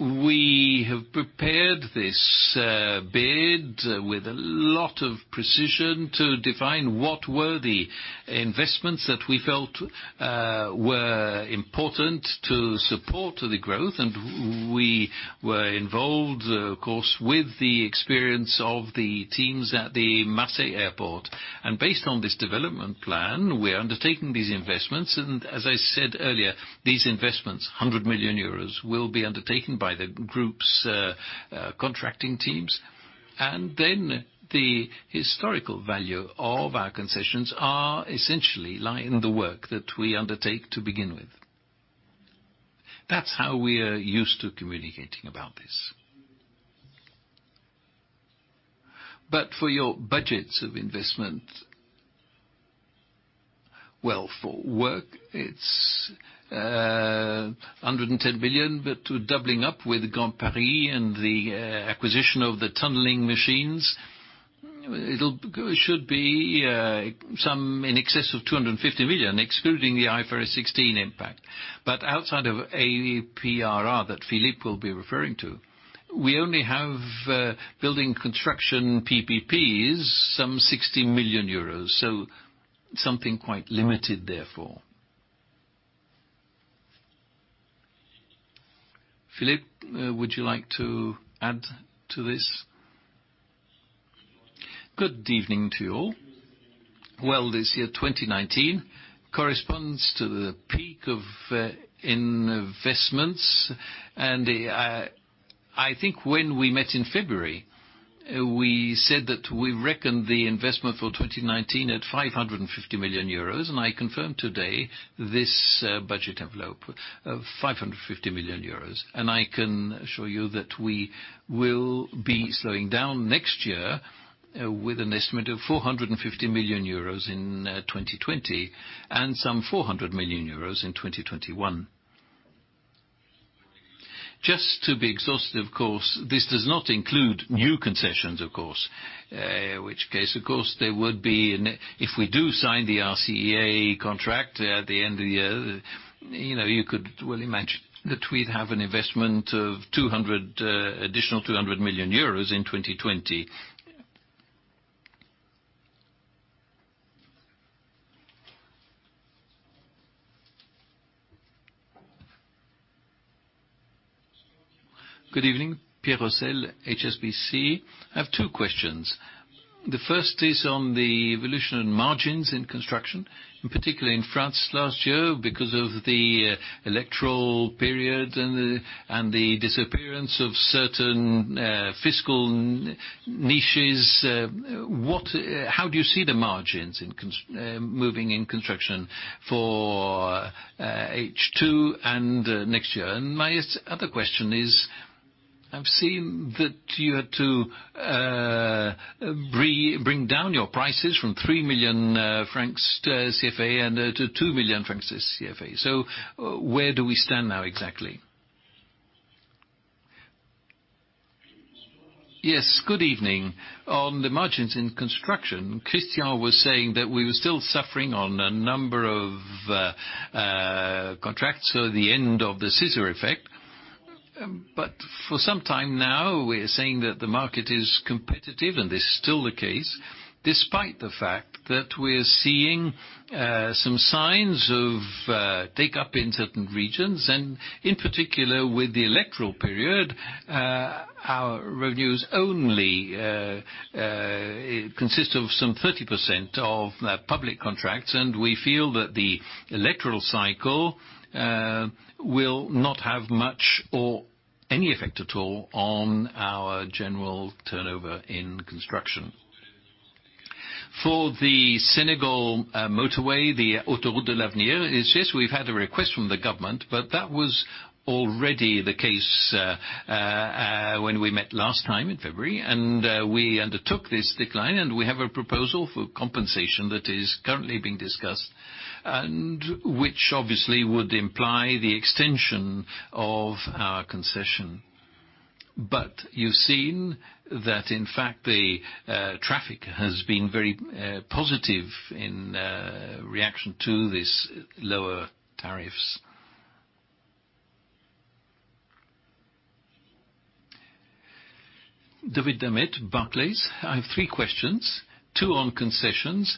We have prepared this bid with a lot of precision to define what were the investments that we felt were important to support the growth, and we were involved, of course, with the experience of the teams at the Marseille Airport. Based on this development plan, we're undertaking these investments, and as I said earlier, these investments, €100 million, will be undertaken by the group's contracting teams. The historical value of our concessions essentially lie in the work that we undertake to begin with. That's how we are used to communicating about this. For your budgets of investment, well, for work, it's 110 million, to doubling up with Grand Paris and the acquisition of the tunneling machines, it should be some in excess of 250 million, excluding the IFRS 16 impact. Outside of APRR that Philippe will be referring to, we only have building construction PPPs some 60 million euros. Something quite limited therefore. Philippe, would you like to add to this? Good evening to you all. This year, 2019, corresponds to the peak of investments. I think when we met in February, we said that we reckoned the investment for 2019 at 550 million euros. I confirm today this budget envelope of 550 million euros. I can assure you that we will be slowing down next year with an estimate of 450 million euros in 2020 and some 400 million euros in 2021. Just to be exhaustive, of course, this does not include new concessions, of course. Which case, of course, there would be, if we do sign the RCEA contract at the end of the year, you could well imagine that we'd have an investment of additional 200 million euros in 2020. Good evening. Pierre Rousseau, HSBC. I have two questions. The first is on the evolution of margins in construction, in particular in France last year, because of the electoral period and the disappearance of certain fiscal niches. How do you see the margins moving in construction for H2 and next year? My other question is, I've seen that you had to bring down your prices from XAF 3 million to XAF 2 million. Where do we stand now, exactly? Yes, good evening. On the margins in construction, Christian was saying that we were still suffering on a number of contracts, so the end of the scissor effect. For some time now, we are saying that the market is competitive, and it is still the case, despite the fact that we are seeing some signs of take-up in certain regions. In particular, with the electoral period, our revenues only consist of some 30% of public contracts, and we feel that the electoral cycle will not have much or any effect at all on our general turnover in construction. For the Senegal motorway, the Autoroute de l'Avenir, it is just we have had a request from the government, but that was already the case when we met last time in February. We undertook this decline, we have a proposal for compensation that is currently being discussed, which obviously would imply the extension of our concession. You've seen that in fact, the traffic has been very positive in reaction to these lower tariffs. David Gremm, Barclays. I have three questions, two on concessions.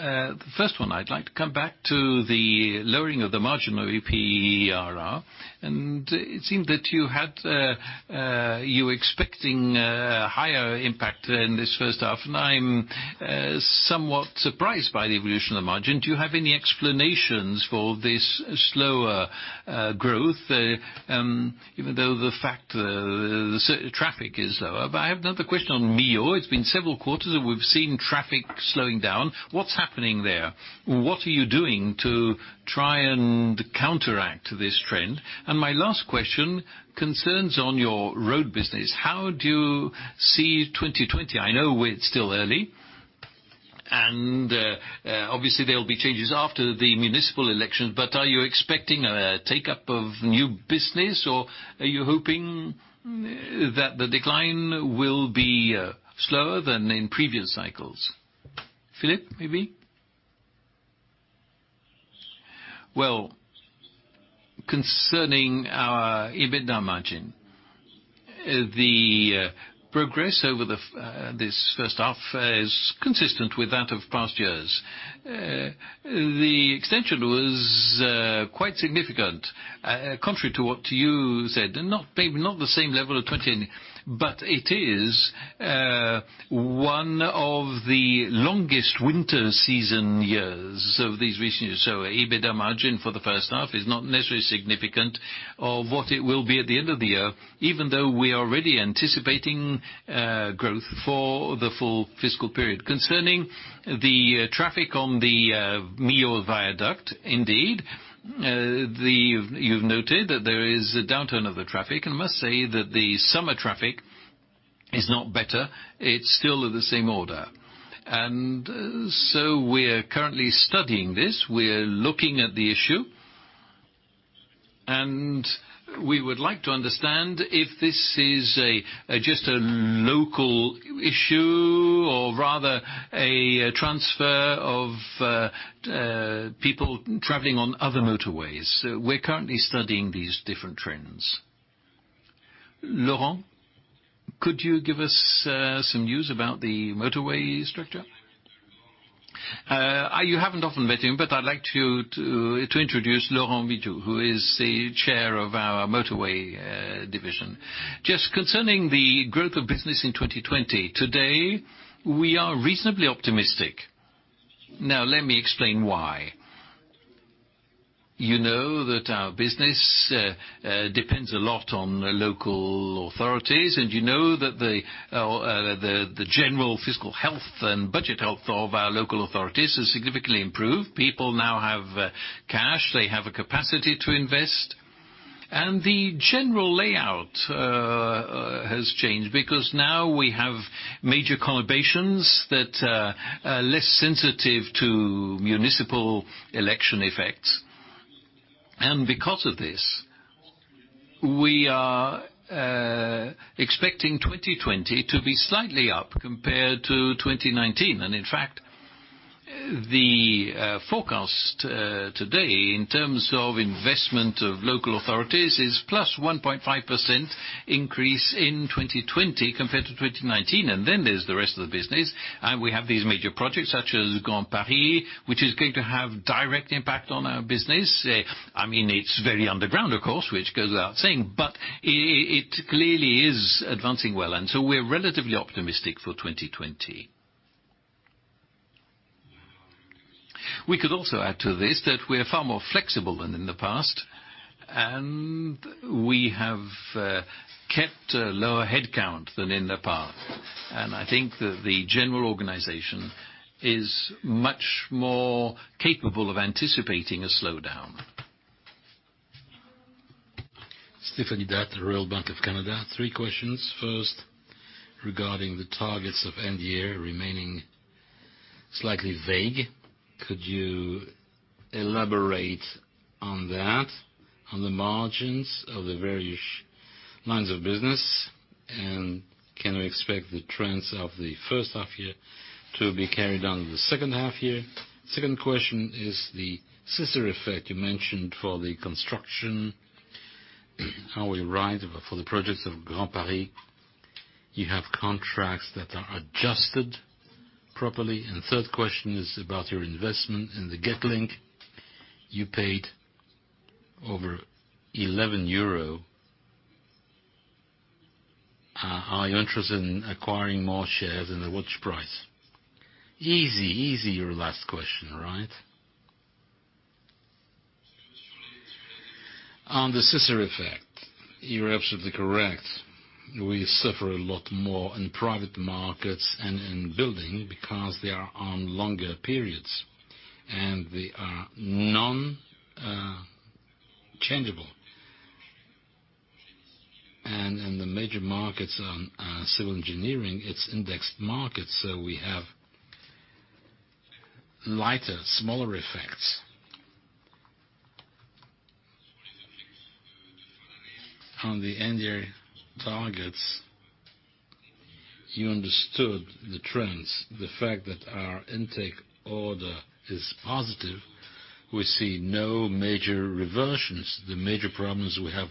The first one, I'd like to come back to the lowering of the margin of APRR, it seemed that you were expecting a higher impact in this first half. I'm somewhat surprised by the evolution of the margin. Do you have any explanations for this slower growth? Even though the traffic is lower. I have another question on Millau. It's been several quarters that we've seen traffic slowing down. What's happening there? What are you doing to try and counteract this trend? My last question concerns on your road business. How do you see 2020? I know it's still early, and obviously there'll be changes after the municipal elections, but are you expecting a take-up of new business, or are you hoping that the decline will be slower than in previous cycles? Philippe, maybe? Concerning our EBITDA margin, the progress over this first half is consistent with that of past years. The extension was quite significant, contrary to what you said. Maybe not the same level of 2019, but it is one of the longest winter season years of these recent years. EBITDA margin for the first half is not necessarily significant of what it will be at the end of the year, even though we are already anticipating growth for the full fiscal period. Concerning the traffic on the Millau viaduct, indeed, you've noted that there is a downturn of the traffic. I must say that the summer traffic is not better. It's still of the same order. We are currently studying this. We are looking at the issue. We would like to understand if this is just a local issue or rather a transfer of people traveling on other motorways. We're currently studying these different trends. Laurent, could you give us some news about the motorway structure? You haven't often met him. I'd like to introduce Laurent Girou, who is the Chair of our Motorway Division. Just concerning the growth of business in 2020, today, we are reasonably optimistic. Let me explain why. You know that our business depends a lot on local authorities, you know that the general fiscal health and budget health of our local authorities has significantly improved. People now have cash. They have a capacity to invest. The general layout has changed because now we have major conurbations that are less sensitive to municipal election effects. Because of this, we are expecting 2020 to be slightly up compared to 2019. The forecast today in terms of investment of local authorities is plus 1.5% increase in 2020 compared to 2019, then there's the rest of the business. We have these major projects such as Grand Paris, which is going to have direct impact on our business. It's very underground, of course, which goes without saying, it clearly is advancing well, we are relatively optimistic for 2020. We could also add to this that we're far more flexible than in the past, and we have kept a lower headcount than in the past. I think that the general organization is much more capable of anticipating a slowdown. Stephanie D'Ath, the Royal Bank of Canada. Three questions. First, regarding the targets of end-year remaining slightly vague, could you elaborate on that, on the margins of the various lines of business? Can we expect the trends of the first half year to be carried on in the second half year? Second question is the scissor effect you mentioned for the construction. Are we right for the projects of Grand Paris? You have contracts that are adjusted properly. The third question is about your investment in the Getlink. You paid over EUR 11. Are you interested in acquiring more shares and at which price? Easy, your last question, right? On the scissor effect, you're absolutely correct. We suffer a lot more in private markets and in building because they are on longer periods, and they are non-changeable. In the major markets on civil engineering, it's indexed markets, so we have lighter, smaller effects. On the end year targets, you understood the trends. The fact that our intake order is positive, we see no major reversions. The major problems we have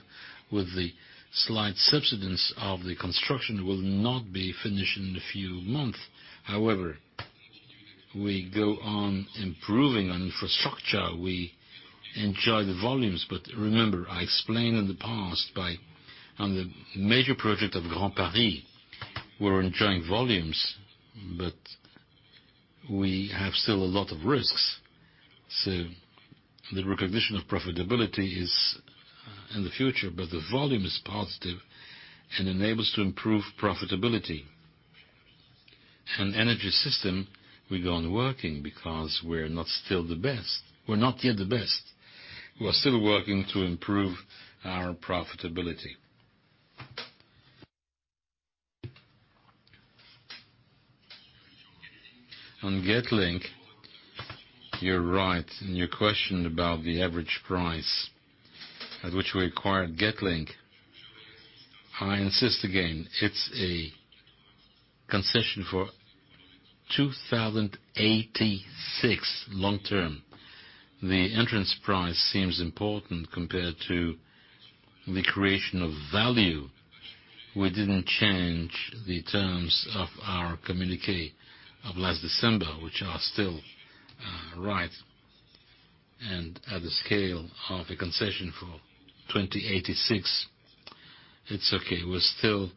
with the slight subsidence of the construction will not be finished in a few months. However, we go on improving on infrastructure. We enjoy the volumes, but remember, I explained in the past on the major project of Grand Paris, we're enjoying volumes, but we have still a lot of risks. The recognition of profitability is in the future, but the volume is positive and enables to improve profitability. On energy system, we go on working because we're not yet the best. We're still working to improve our profitability. On Getlink, you're right, and you questioned about the average price at which we acquired Getlink. I insist again, it's a concession for 2086, long-term. The entrance price seems important compared to the creation of value. We didn't change the terms of our communiqué of last December, which are still right. At the scale of a concession for 2086, it's okay. We're still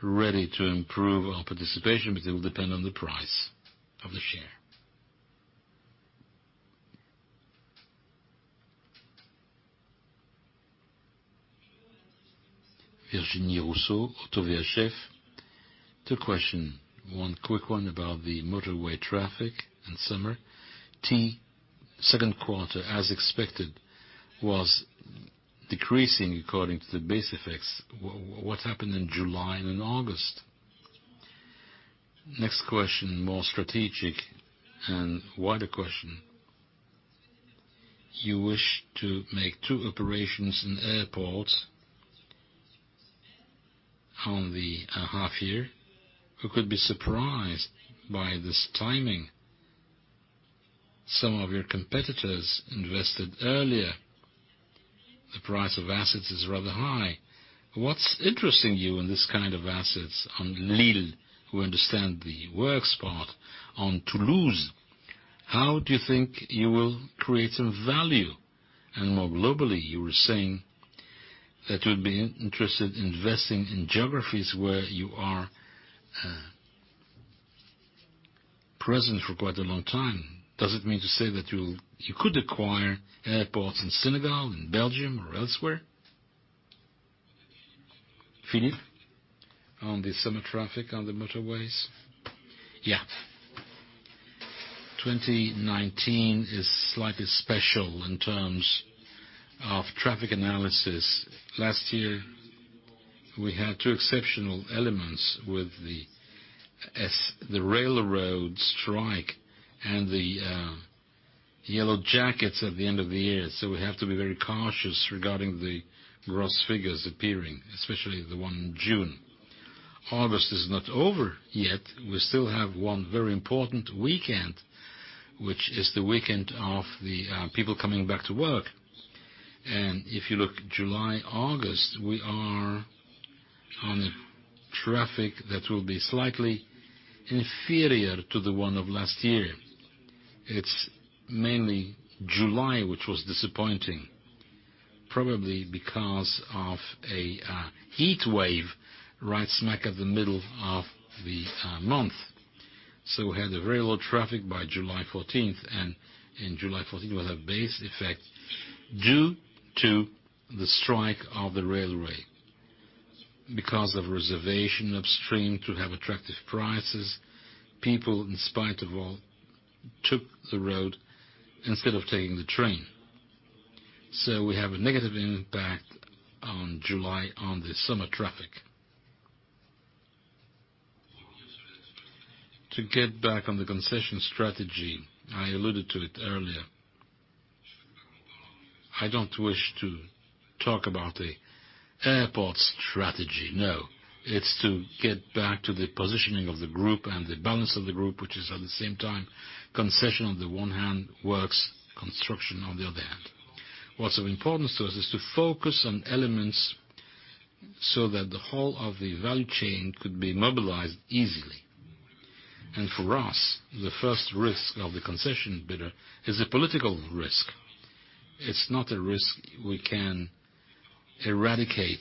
ready to improve our participation, but it will depend on the price of the share. Virginie Rousseau, Oddo BHF. Two questions. One quick one about the motorway traffic in summer. Second quarter, as expected, was decreasing according to the base effects. What happened in July and in August? Next question, more strategic and wider question. You wish to make two operations in airports on the half year. We could be surprised by this timing. Some of your competitors invested earlier. The price of assets is rather high. What's interesting you in this kind of assets on Lille, we understand the works part. On Toulouse, how do you think you will create some value? More globally, you were saying that you would be interested in investing in geographies where you are present for quite a long time. Does it mean to say that you could acquire airports in Senegal, in Belgium or elsewhere? Philippe. On the summer traffic on the motorways. Yeah. 2019 is slightly special in terms of traffic analysis. Last year, we had two exceptional elements with the railroad strike and the Yellow jackets at the end of the year. We have to be very cautious regarding the gross figures appearing, especially the one in June. August is not over yet. We still have one very important weekend, which is the weekend of the people coming back to work. If you look July, August, we are on traffic that will be slightly inferior to the one of last year. It's mainly July, which was disappointing, probably because of a heat wave right smack at the middle of the month. We had a very low traffic by July 14th, and in July 14th, we had a base effect due to the strike of the railway. Because of reservation upstream to have attractive prices, people, in spite of all, took the road instead of taking the train. We have a negative impact on July on the summer traffic. To get back on the concession strategy, I alluded to it earlier. I don't wish to talk about a airport strategy. No. It's to get back to the positioning of the group and the balance of the group, which is at the same time, concession on the one hand, works, construction on the other hand. What's of importance to us is to focus on elements, so that the whole of the value chain could be mobilized easily. For us, the first risk of the concession bidder is a political risk. It's not a risk we can eradicate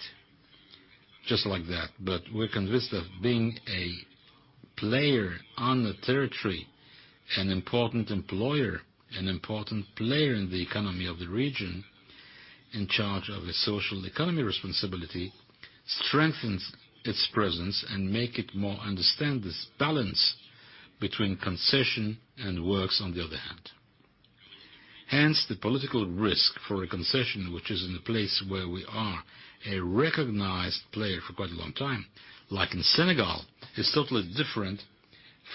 just like that. We're convinced of being a player on the territory, an important employer, an important player in the economy of the region, in charge of a social economy responsibility, strengthens its presence and make it more understand this balance between concession and works on the other hand. Hence, the political risk for a concession, which is in a place where we are a recognized player for quite a long time, like in Senegal, is totally different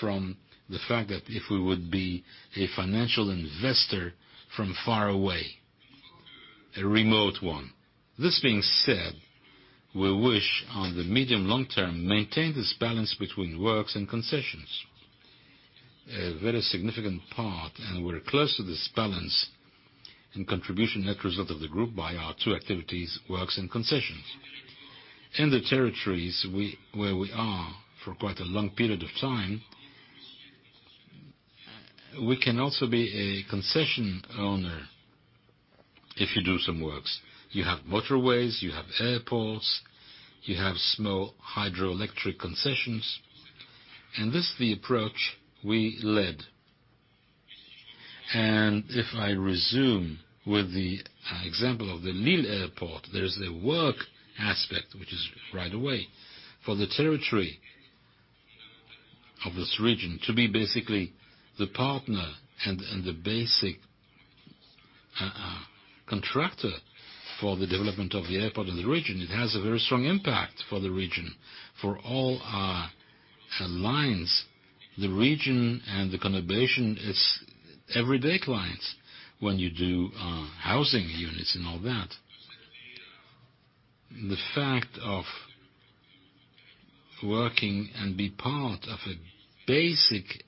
from the fact that if we would be a financial investor from far away, a remote one. This being said, we wish on the medium-long term, maintain this balance between works and concessions. A very significant part, and we're close to this balance in contribution net result of the Group by our two activities, works and concessions. In the territories where we are for quite a long period of time, we can also be a concession owner if you do some works. You have motorways, you have airports, you have small hydroelectric concessions, and this is the approach we led. If I resume with the example of the Lille airport, there is a work aspect which is right away for the territory of this region to be basically the partner and the basic contractor for the development of the airport in the region. It has a very strong impact for the region, for all our lines. The region and the conurbation is everyday clients when you do housing units and all that. The fact of working and be part of a basic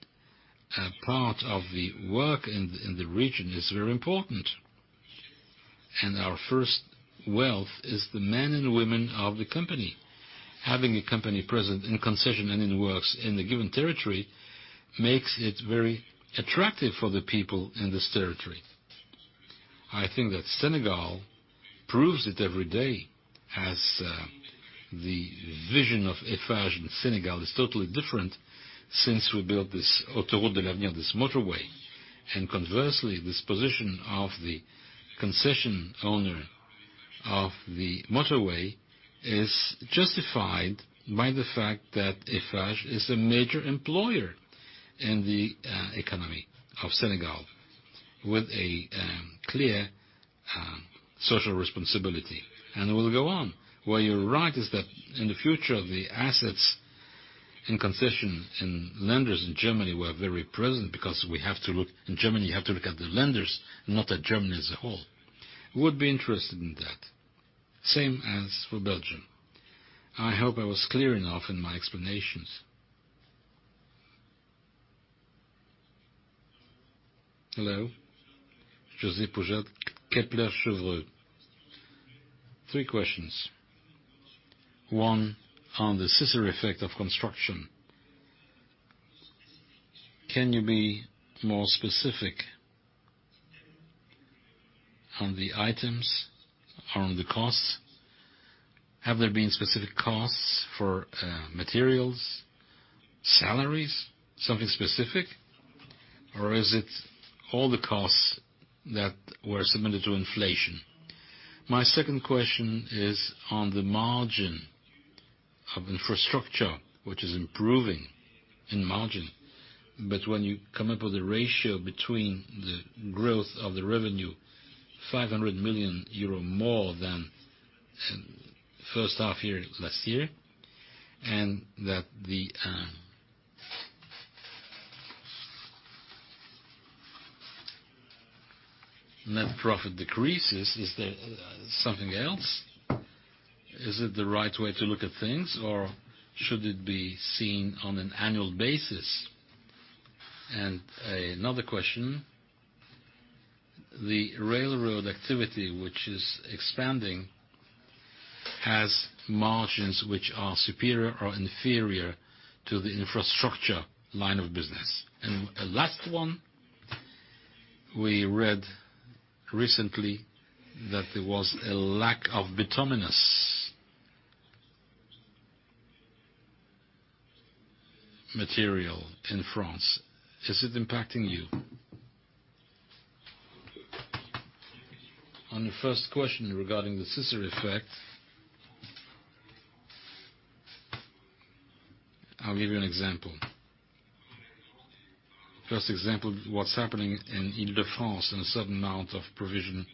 part of the work in the region is very important. Our first wealth is the men and women of the company. Having a company present in concession and in the works in a given territory makes it very attractive for the people in this territory. I think that Senegal proves it every day as the vision of Eiffage in Senegal is totally different since we built this Autoroute de l'Avenir, this motorway. Conversely, this position of the concession owner of the motorway is justified by the fact that Eiffage is a major employer in the economy of Senegal with a clear social responsibility, and will go on. Where you're right is that in the future, the assets in concession in Länder in Germany were very present because in Germany, you have to look at the Länders, not at Germany as a whole, would be interested in that. Same as for Belgium. I hope I was clear enough in my explanations. Hello. Josep Pujal, Kepler Cheuvreux. Three questions. One, on the scissor effect of construction. Can you be more specific on the items, on the costs? Have there been specific costs for materials, salaries, something specific, or is it all the costs that were submitted to inflation? My second question is on the margin of infrastructure, which is improving in margin. When you come up with a ratio between the growth of the revenue, 500 million euro more than first half year last year, and that the net profit decreases. Is there something else? Is it the right way to look at things, or should it be seen on an annual basis? Another question, the railroad activity, which is expanding, has margins which are superior or inferior to the infrastructure line of business. A last one, we read recently that there was a lack of bituminous material in France. Is it impacting you? On the first question regarding the scissor effect, I'll give you an example. First example, what's happening in defense and a certain amount of provision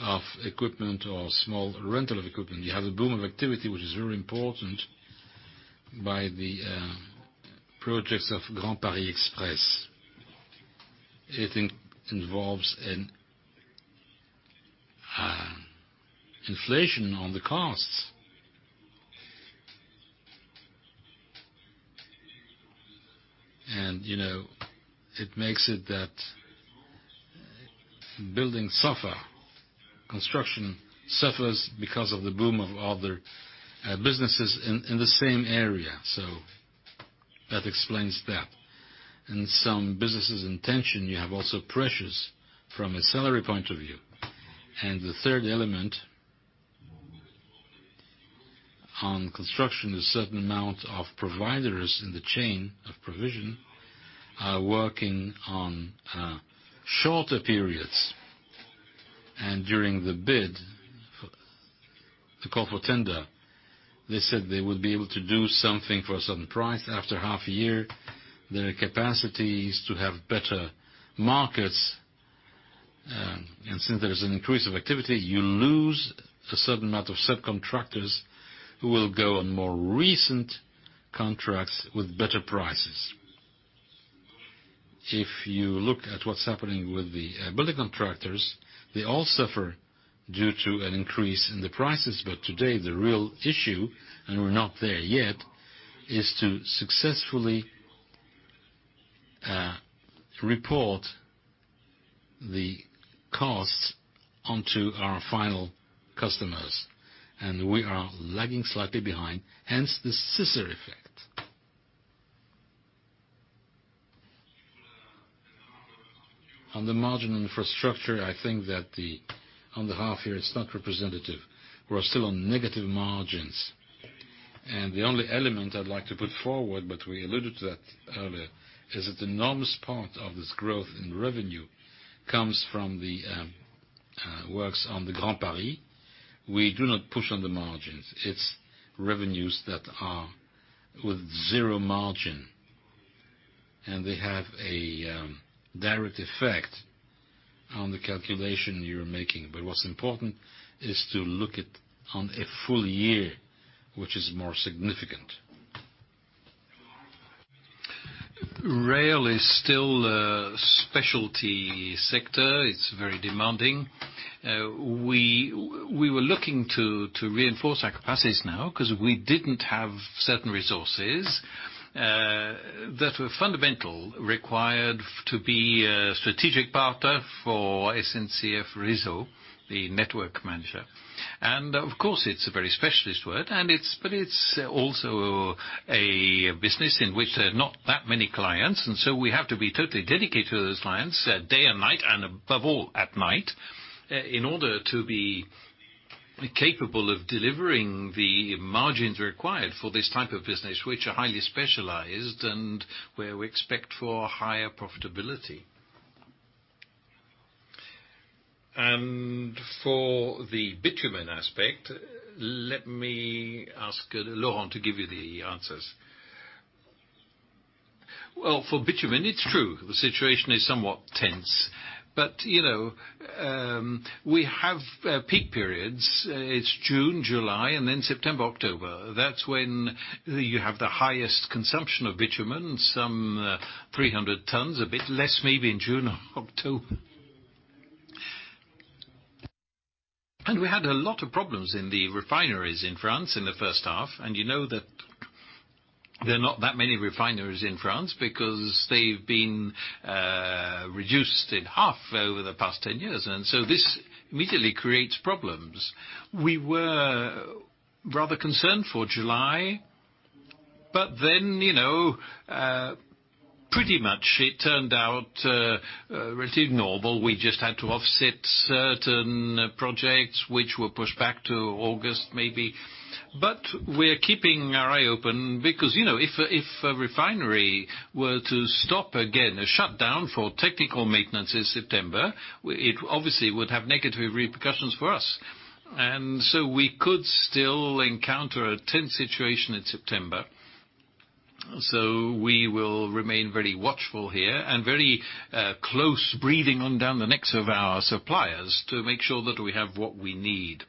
of equipment or small rental of equipment, you have a boom of activity, which is very important by the projects of Grand Paris Express. It involves an inflation on the costs. It makes it that building suffer, construction suffers because of the boom of other businesses in the same area. That explains that. In some businesses intention, you have also pressures from a salary point of view. The third element on construction, a certain amount of providers in the chain of provision are working on shorter periods. During the bid, the call for tender, they said they would be able to do something for a certain price. After half a year, their capacity is to have better markets. Since there is an increase of activity, you lose a certain amount of subcontractors who will go on more recent contracts with better prices. If you look at what's happening with the building contractors, they all suffer due to an increase in the prices. Today, the real issue, and we're not there yet, is to successfully report the costs onto our final customers. We are lagging slightly behind, hence the scissor effect. On the margin infrastructure, I think that on the half year, it's not representative. We're still on negative margins. The only element I'd like to put forward, but we alluded to that earlier, is that enormous part of this growth in revenue comes from the works on the Grand Paris. We do not push on the margins. It's revenues that are with zero margin. They have a direct effect on the calculation you're making. What's important is to look at on a full year, which is more significant. Rail is still a specialty sector. It's very demanding. We were looking to reinforce our capacities now because we didn't have certain resources that were fundamental required to be a strategic partner for SNCF Réseau, the network manager. Of course, it's a very specialist work, but it's also a business in which there are not that many clients. We have to be totally dedicated to those clients day and night, and above all, at night, in order to be capable of delivering the margins required for this type of business, which are highly specialized and where we expect for higher profitability. For the bitumen aspect, let me ask Laurent to give you the answers. Well, for bitumen, it's true. The situation is somewhat tense. We have peak periods. It's June, July, and then September, October. That's when you have the highest consumption of bitumen, some 300 tons, a bit less maybe in June, October. We had a lot of problems in the refineries in France in the first half. You know that there are not that many refineries in France because they've been reduced in half over the past 10 years. This immediately creates problems. We were rather concerned for July. Pretty much it turned out relatively normal. We just had to offset certain projects which were pushed back to August, maybe. We're keeping our eye open because if a refinery were to stop again, a shutdown for technical maintenance in September, it obviously would have negative repercussions for us. We could still encounter a tense situation in September. We will remain very watchful here and very close, breathing on down the necks of our suppliers to make sure that we have what we need.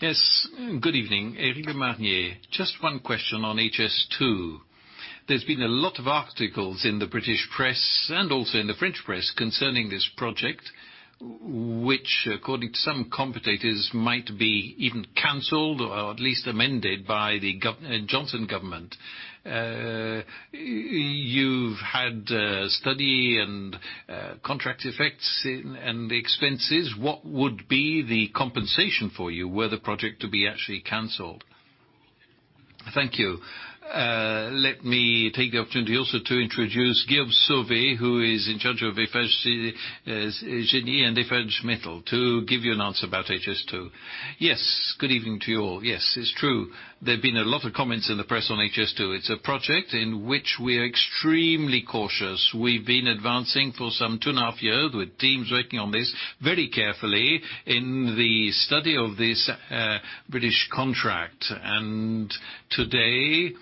Yes. Good evening, Eric Lemonnier. Just one question on HS2. There's been a lot of articles in the British press, and also in the French press, concerning this project, which according to some commentators, might be even canceled or at least amended by the Johnson government. You've had study and contract effects and the expenses. What would be the compensation for you were the project to be actually canceled? Thank you. Let me take the opportunity also to introduce Guillaume Sauvé, who is in charge of Eiffage Génie and Eiffage Métal, to give you an answer about HS2. Yes. Good evening to you all. Yes, it's true, there've been a lot of comments in the press on HS2. It's a project in which we are extremely cautious. We've been advancing for some two and a half years, with teams working on this very carefully in the study of this British contract. Today,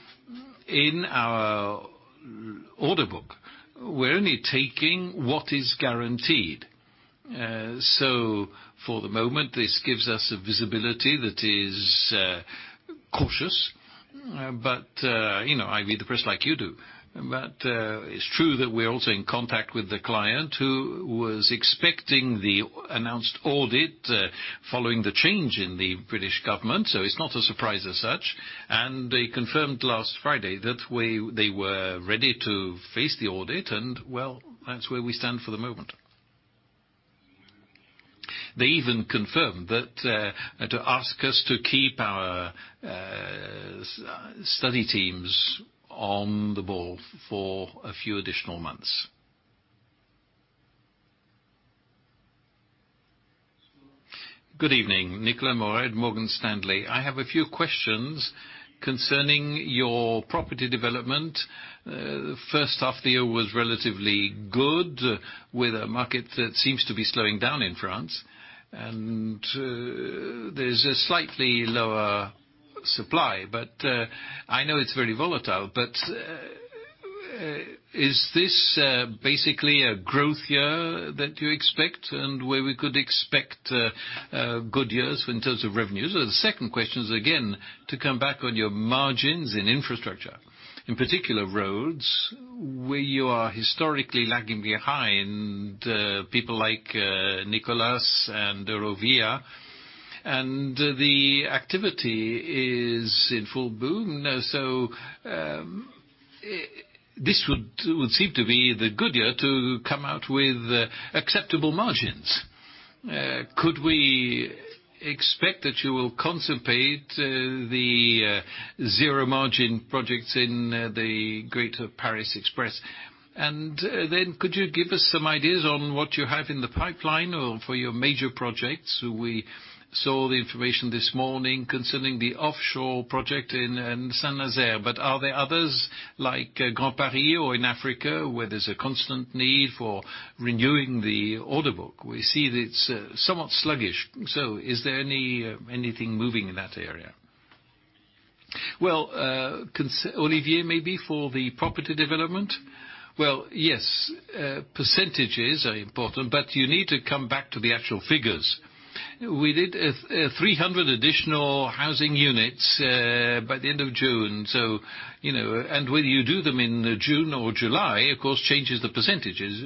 in our order book, we're only taking what is guaranteed. For the moment, this gives us a visibility that is cautious. I read the press like you do. It's true that we're also in contact with the client, who was expecting the announced audit following the change in the British government, so it's not a surprise as such. They confirmed last Friday that they were ready to face the audit, and well, that's where we stand for the moment. They even confirmed to ask us to keep our study teams on the ball for a few additional months. Good evening. Nicolas Mora, Morgan Stanley. I have a few questions concerning your property development. First half of the year was relatively good, with a market that seems to be slowing down in France, and there's a slightly lower supply, but I know it's very volatile. Is this basically a growth year that you expect, and where we could expect good years in terms of revenues? The second question is, again, to come back on your margins in infrastructure, in particular roads, where you are historically lagging behind people like Nicolas and Eurovia, and the activity is in full boom. This would seem to be the good year to come out with acceptable margins. Could we expect that you will compensate the zero margin projects in the Grand Paris Express? Could you give us some ideas on what you have in the pipeline for your major projects? We saw the information this morning concerning the offshore project in Saint-Nazaire. Are there others like Grand Paris or in Africa where there's a constant need for renewing the order book? We see that it's somewhat sluggish. Is there anything moving in that area? Well, Olivier, maybe for the property development? Well, yes, percentages are important, but you need to come back to the actual figures. We did 300 additional housing units by the end of June. Whether you do them in June or July, of course, changes the percentages.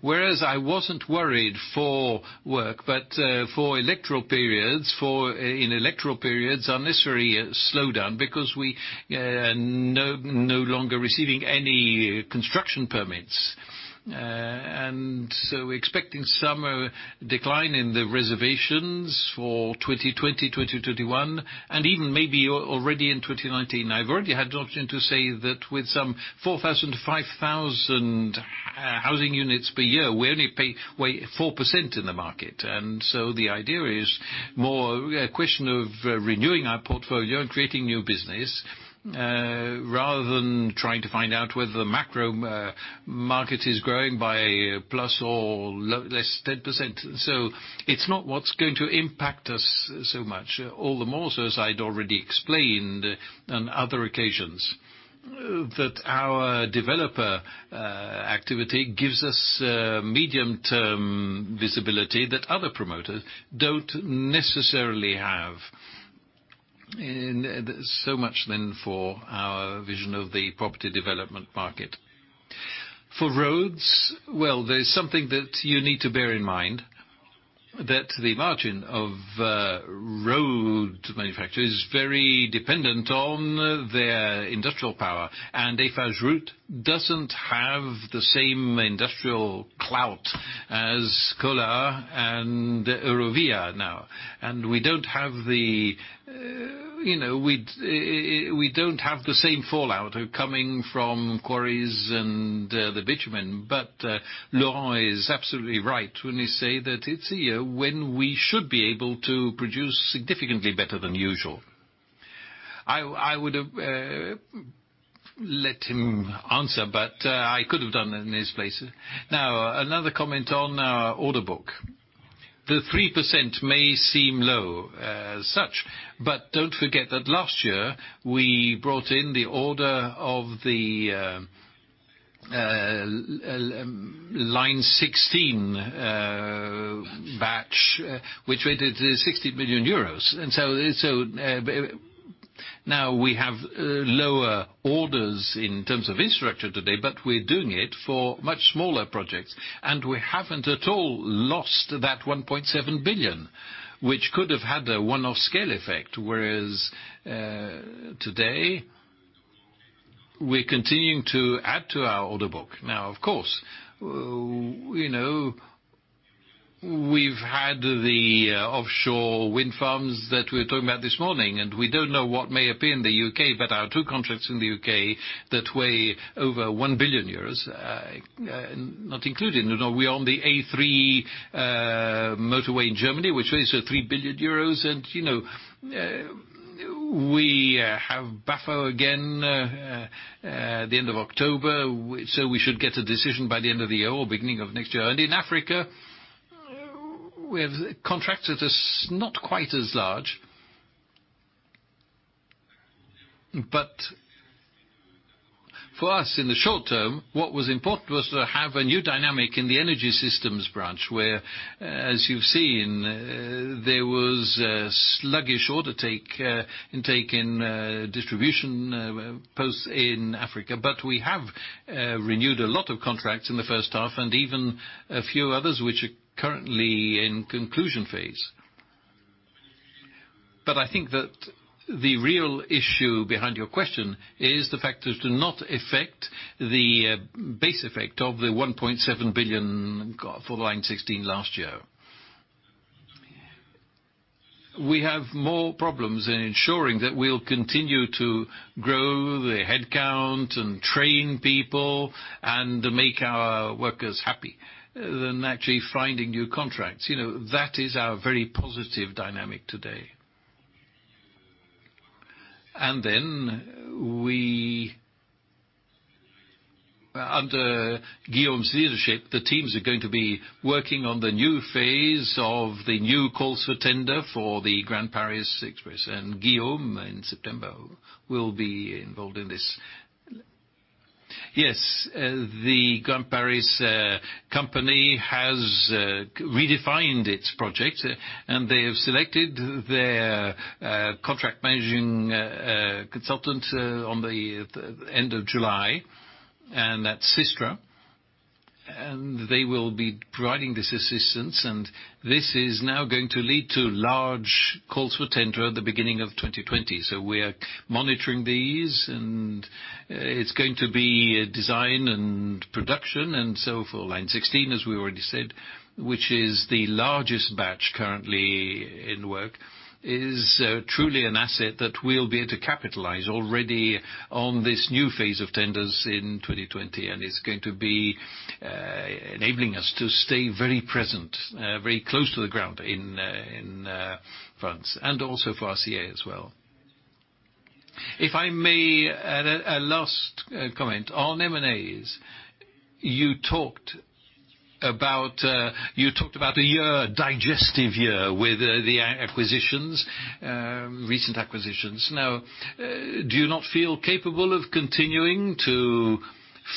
Whereas I wasn't worried for work, but for electoral periods, in electoral periods are necessary a slowdown because we are no longer receiving any construction permits. We're expecting some decline in the reservations for 2020, 2021, and even maybe already in 2019. I've already had the opportunity to say that with some 4,000 to 5,000 housing units per year, we only pay 4% in the market. The idea is more a question of renewing our portfolio and creating new business, rather than trying to find out whether the macro market is growing by plus or less 10%. It's not what's going to impact us so much. All the more so, as I'd already explained on other occasions, that our developer activity gives us medium-term visibility that other promoters don't necessarily have. Much then for our vision of the property development market. For roads, well, there's something that you need to bear in mind, that the margin of road manufacturer is very dependent on their industrial power, and Eiffage Route doesn't have the same industrial clout as Colas and Eurovia now. We don't have the same fallout coming from quarries and the bitumen. Laurent is absolutely right when he say that it's a year when we should be able to produce significantly better than usual. I would have let him answer, but I could have done it in his place. Now, another comment on our order book. The 3% may seem low as such, but don't forget that last year, we brought in the order of the Line 16 batch, which we did at 60 million euros. Now we have lower orders in terms of infrastructure today, but we're doing it for much smaller projects, and we haven't at all lost that 1.7 billion, which could have had a one-off scale effect. Whereas today, we're continuing to add to our order book. Of course, we've had the offshore wind farms that we were talking about this morning, and we don't know what may appear in the U.K., but our two contracts in the U.K. that weigh over 1 billion euros, not included. We own the A3 motorway in Germany, which weighs 3 billion euros. We have BAFA again at the end of October, so we should get a decision by the end of the year or beginning of next year. In Africa, we have contracts that are not quite as large. For us, in the short term, what was important was to have a new dynamic in the energy systems branch, where, as you've seen, there was sluggish order take in distribution posts in Africa. We have renewed a lot of contracts in the first half and even a few others which are currently in conclusion phase. I think that the real issue behind your question is the fact that it will not affect the base effect of the 1.7 billion for Line 16 last year. We have more problems in ensuring that we'll continue to grow the headcount, and train people, and make our workers happy, than actually finding new contracts. That is our very positive dynamic today. Under Guillaume's leadership, the teams are going to be working on the new phase of the new calls for tender for the Grand Paris Express, and Guillaume, in September, will be involved in this. Yes. The Grand Paris company has redefined its project, and they have selected their contract managing consultant on the end of July, and that's Systra. They will be providing this assistance, and this is now going to lead to large calls for tender at the beginning of 2020. We are monitoring these, and it's going to be design and production. For Line 16, as we already said, which is the largest batch currently in the work, is truly an asset that we'll be able to capitalize already on this new phase of tenders in 2020. It's going to be enabling us to stay very present, very close to the ground in France, and also for RCEA as well. If I may, a last comment on M&As. You talked about a year, a digestive year with the recent acquisitions. Do you not feel capable of continuing to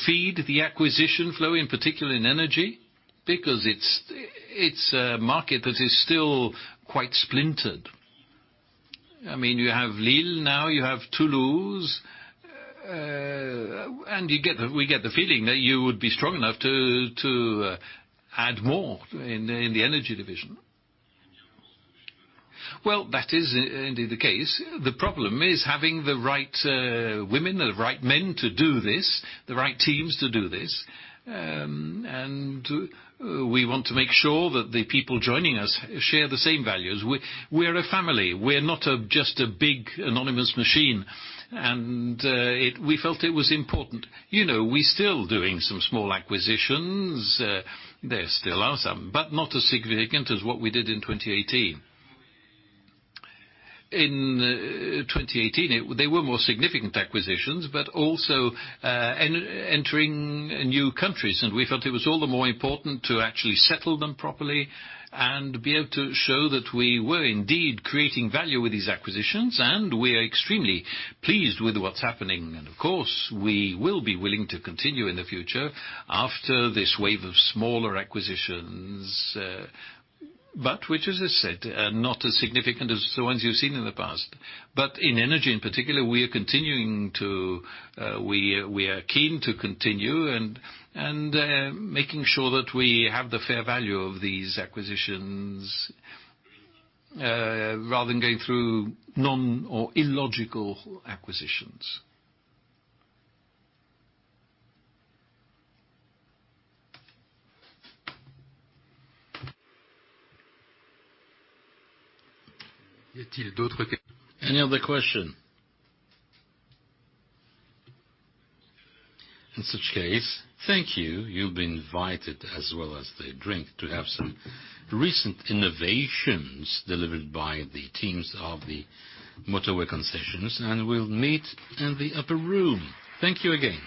feed the acquisition flow, in particular in energy? It's a market that is still quite splintered. You have Lille now, you have Toulouse, and we get the feeling that you would be strong enough to add more in the energy division. Well, that is indeed the case. The problem is having the right women, the right men to do this, the right teams to do this. We want to make sure that the people joining us share the same values. We're a family. We're not just a big anonymous machine. We felt it was important. We're still doing some small acquisitions. There still are some, but not as significant as what we did in 2018. In 2018, they were more significant acquisitions, but also entering new countries. We felt it was all the more important to actually settle them properly and be able to show that we were indeed creating value with these acquisitions. We are extremely pleased with what's happening. Of course, we will be willing to continue in the future after this wave of smaller acquisitions. Which, as I said, are not as significant as the ones you've seen in the past. In energy in particular, we are keen to continue and making sure that we have the fair value of these acquisitions rather than going through none or illogical acquisitions. Any other question? In such case, thank you. You've been invited, as well as the drink, to have some recent innovations delivered by the teams of the motorway concessions, and we'll meet in the upper room. Thank you again.